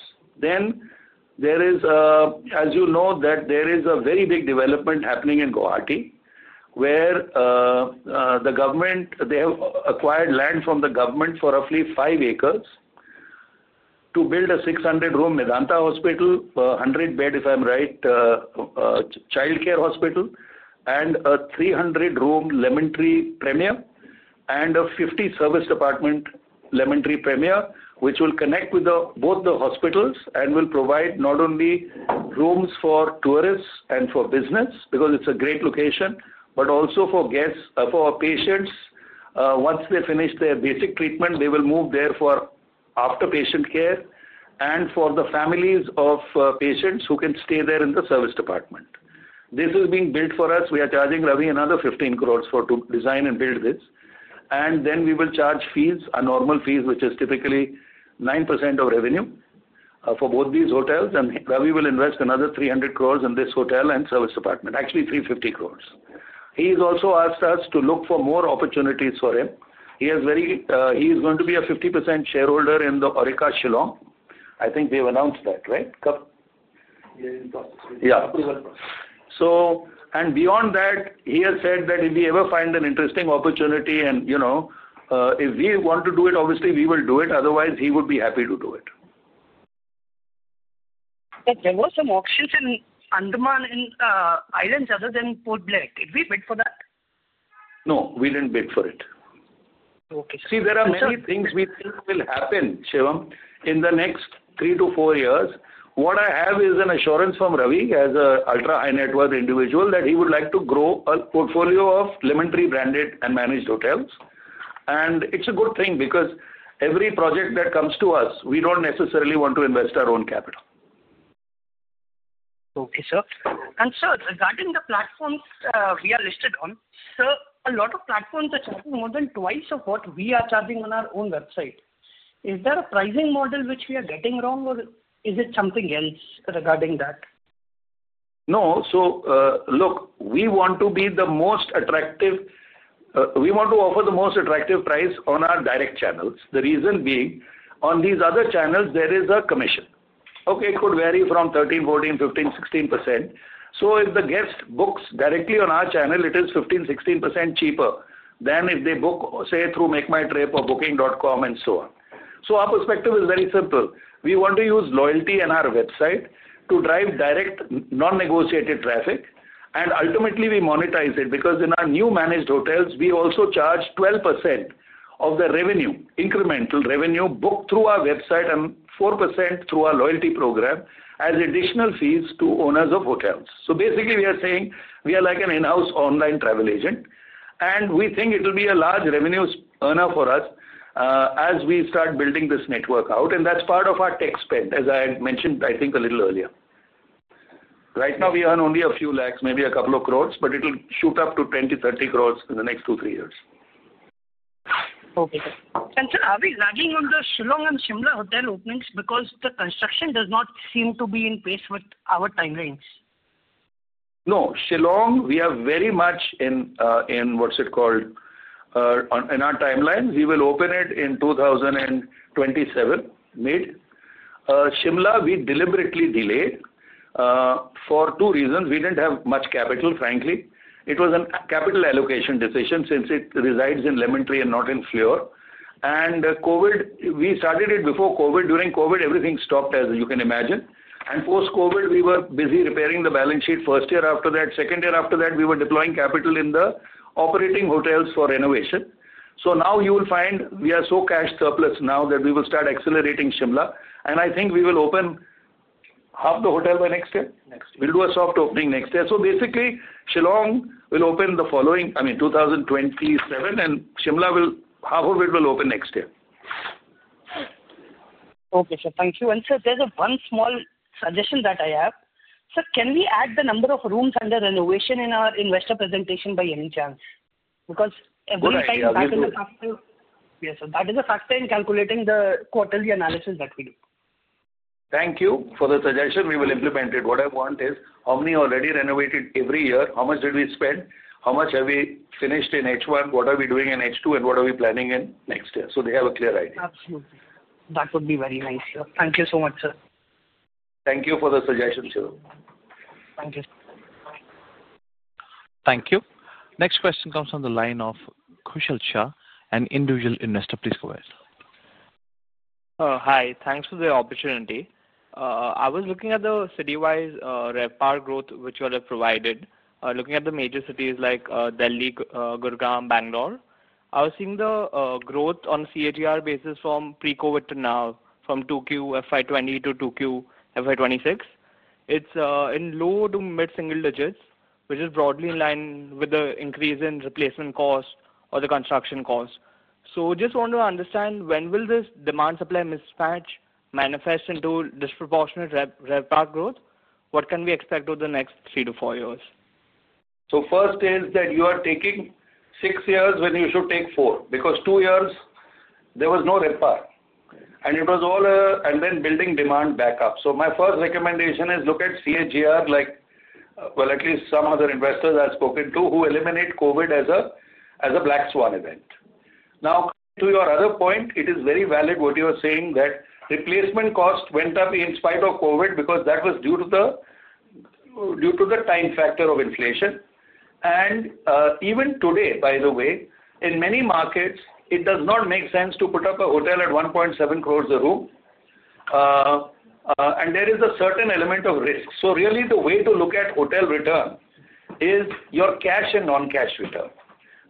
Speaker 3: As you know, there is a very big development happening in Guwahati where they have acquired land from the government for roughly five acres to build a 600-room Medanta Hospital, 100-bed, if I'm right, childcare hospital, and a 300-room Lemon Tree Premier, and a 50-service apartment Lemon Tree Premier, which will connect with both the hospitals and will provide not only rooms for tourists and for business because it's a great location, but also for patients. Once they finish their basic treatment, they will move there for after patient care and for the families of patients who can stay there in the service department. This is being built for us. We are charging Ravi another 150 crore to design and build this. We will charge fees, a normal fee, which is typically 9% of revenue for both these hotels. Ravi will invest another 300 million crore in this hotel and service department, actually 350 crore. He has also asked us to look for more opportunities for him. He is going to be a 50% shareholder in the Aurika Shillong. I think they have announced that, right? Yeah. Beyond that, he has said that if we ever find an interesting opportunity and if we want to do it, obviously, we will do it. Otherwise, he would be happy to do it.
Speaker 17: There were some auctions in Andaman Islands other than Port Blair. Did we bid for that?
Speaker 3: No, we didn't bid for it.
Speaker 17: Okay. So.
Speaker 3: See, there are many things we think will happen, Shivam, in the next three to four years. What I have is an assurance from Ravi as an ultra-high net worth individual that he would like to grow a portfolio of Lemon Tree-branded and managed hotels. It is a good thing because every project that comes to us, we do not necessarily want to invest our own capital.
Speaker 17: Okay, sir. Sir, regarding the platforms we are listed on, a lot of platforms are charging more than twice of what we are charging on our own website. Is there a pricing model which we are getting wrong, or is it something else regarding that?
Speaker 3: No. Look, we want to be the most attractive, we want to offer the most attractive price on our direct channels. The reason being, on these other channels, there is a commission. It could vary from 13%, 14%, 15%, 16%. If the guest books directly on our channel, it is 15%-16% cheaper than if they book, say, through MakeMyTrip or Booking.com and so on. Our perspective is very simple. We want to use loyalty on our website to drive direct non-negotiated traffic. Ultimately, we monetize it because in our new managed hotels, we also charge 12% of the revenue, incremental revenue, booked through our website and 4% through our loyalty program as additional fees to owners of hotels. Basically, we are saying we are like an in-house online travel agent. We think it will be a large revenue earner for us as we start building this network out. That is part of our tech spend, as I had mentioned, I think, a little earlier. Right now, we earn only a few lakhs, maybe a couple of crores, but it will shoot up to 20 crore-30 crore in the next two to three years.
Speaker 17: Okay. Sir, are we lagging on the Shillong and Shimla hotel openings because the construction does not seem to be in pace with our timelines?
Speaker 3: No. Shillong, we are very much in what's it called in our timeline. We will open it in 2027, mid. Shimla, we deliberately delayed for two reasons. We did not have much capital, frankly. It was a capital allocation decision since it resides in Lemon Tree and not in Flio. And COVID, we started it before COVID. During COVID, everything stopped, as you can imagine. Post-COVID, we were busy repairing the balance sheet first year. After that, second year, after that, we were deploying capital in the operating hotels for renovation. You will find we are so cash surplus now that we will start accelerating Shimla. I think we will open half the hotel by next year. We will do a soft opening next year. Basically, Shillong will open the following, I mean, 2027, and Shimla, half of it will open next year.
Speaker 17: Okay, sir. Thank you. Sir, there's one small suggestion that I have. Sir, can we add the number of rooms under renovation in our investor presentation by any chance? Because every time back in the factory yes, that is a factor in calculating the quarterly analysis that we do.
Speaker 3: Thank you for the suggestion. We will implement it. What I want is how many already renovated every year, how much did we spend, how much have we finished in H1, what are we doing in H2, and what are we planning in next year. So they have a clear idea.
Speaker 17: Absolutely. That would be very nice, sir. Thank you so much, sir.
Speaker 3: Thank you for the suggestion, Shivam.
Speaker 17: Thank you.
Speaker 1: Thank you. Next question comes from the line of Kushal Shah, an individual investor. Please go ahead.
Speaker 18: Hi. Thanks for the opportunity. I was looking at the citywide RevPAR growth which you all have provided, looking at the major cities like Delhi, Gurgaon, Bangalore. I was seeing the growth on a CAGR basis from pre-COVID to now, from 2Q FY2020 to 2Q FY2026. It's in low to mid-single digits, which is broadly in line with the increase in replacement cost or the construction cost. Just want to understand, when will this demand-supply mismatch manifest into disproportionate RevPAR growth? What can we expect over the next three to four years?
Speaker 3: First is that you are taking six years when you should take four because two years, there was no repair. It was all a and then building demand back up. My first recommendation is look at CAGR, at least some other investors I've spoken to who eliminate COVID as a black swan event. Now, to your other point, it is very valid what you are saying that replacement cost went up in spite of COVID because that was due to the time factor of inflation. Even today, by the way, in many markets, it does not make sense to put up a hotel at 1.7 crore a room. There is a certain element of risk. Really, the way to look at hotel return is your cash and non-cash return.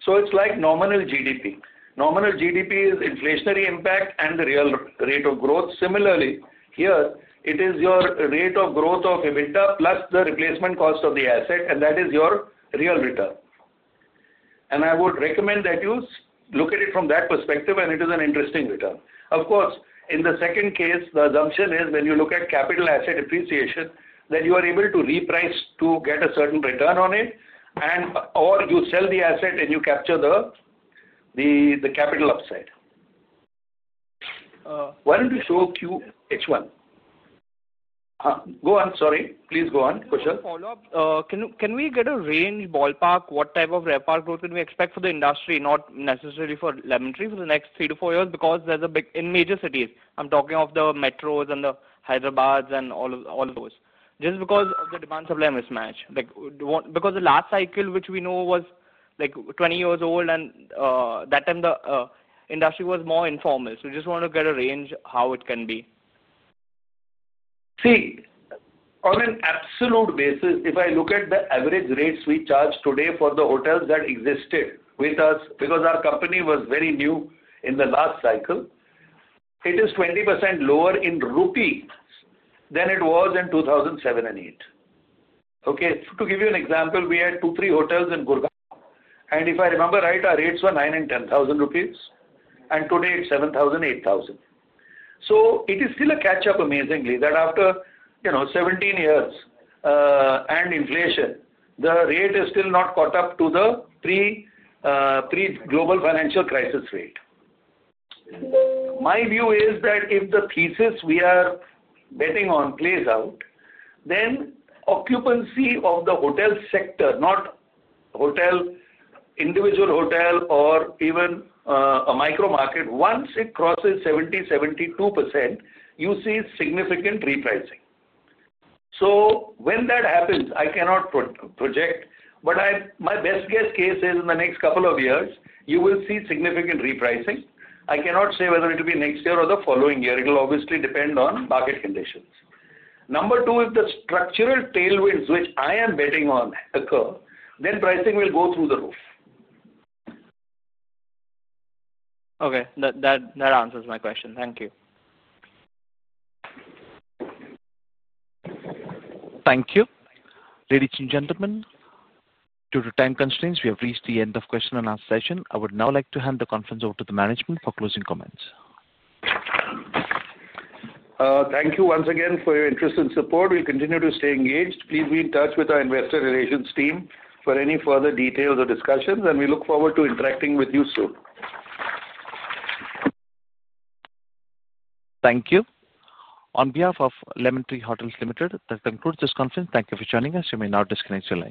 Speaker 3: It's like nominal GDP. Nominal GDP is inflationary impact and the real rate of growth. Similarly, here, it is your rate of growth of EBITDA plus the replacement cost of the asset, and that is your real return. I would recommend that you look at it from that perspective, and it is an interesting return. Of course, in the second case, the assumption is when you look at capital asset appreciation, that you are able to reprice to get a certain return on it, or you sell the asset and you capture the capital upside. Why do you not show QH1? Go on. Sorry. Please go on, Kushal.
Speaker 18: Can we get a range, ballpark? What type of RevPAR growth can we expect for the industry, not necessarily for Lemon Tree, for the next three to four years? Because in major cities, I'm talking of the metros and Hyderabad and all those, just because of the demand-supply mismatch. Because the last cycle, which we know, was 20 years old, and that time, the industry was more informal. We just want to get a range how it can be.
Speaker 3: See, on an absolute basis, if I look at the average rates we charge today for the hotels that existed with us because our company was very new in the last cycle, it is 20% lower in INR than it was in 2007 and 2008. Okay. To give you an example, we had two, three hotels in Gurgaon. And if I remember right, our rates were 9,000 and 10,000 rupees. And today, it is 7,000-8,000. It is still a catch-up, amazingly, that after 17 years and inflation, the rate has still not caught up to the pre-global financial crisis rate. My view is that if the thesis we are betting on plays out, then occupancy of the hotel sector, not individual hotel or even a micro-market, once it crosses 70%-72%, you see significant repricing. When that happens, I cannot project, but my best guess case is in the next couple of years, you will see significant repricing. I cannot say whether it will be next year or the following year. It will obviously depend on market conditions. Number two, if the structural tailwinds, which I am betting on, occur, then pricing will go through the roof.
Speaker 18: Okay. That answers my question. Thank you.
Speaker 1: Thank you. Ladies and gentlemen, due to time constraints, we have reached the end of question-and-answer session. I would now like to hand the conference over to the management for closing comments.
Speaker 3: Thank you once again for your interest and support. We'll continue to stay engaged. Please be in touch with our investor relations team for any further details or discussions. We look forward to interacting with you soon.
Speaker 1: Thank you. On behalf of Lemon Tree Hotels Limited, that concludes this conference. Thank you for joining us. You may now disconnect your line.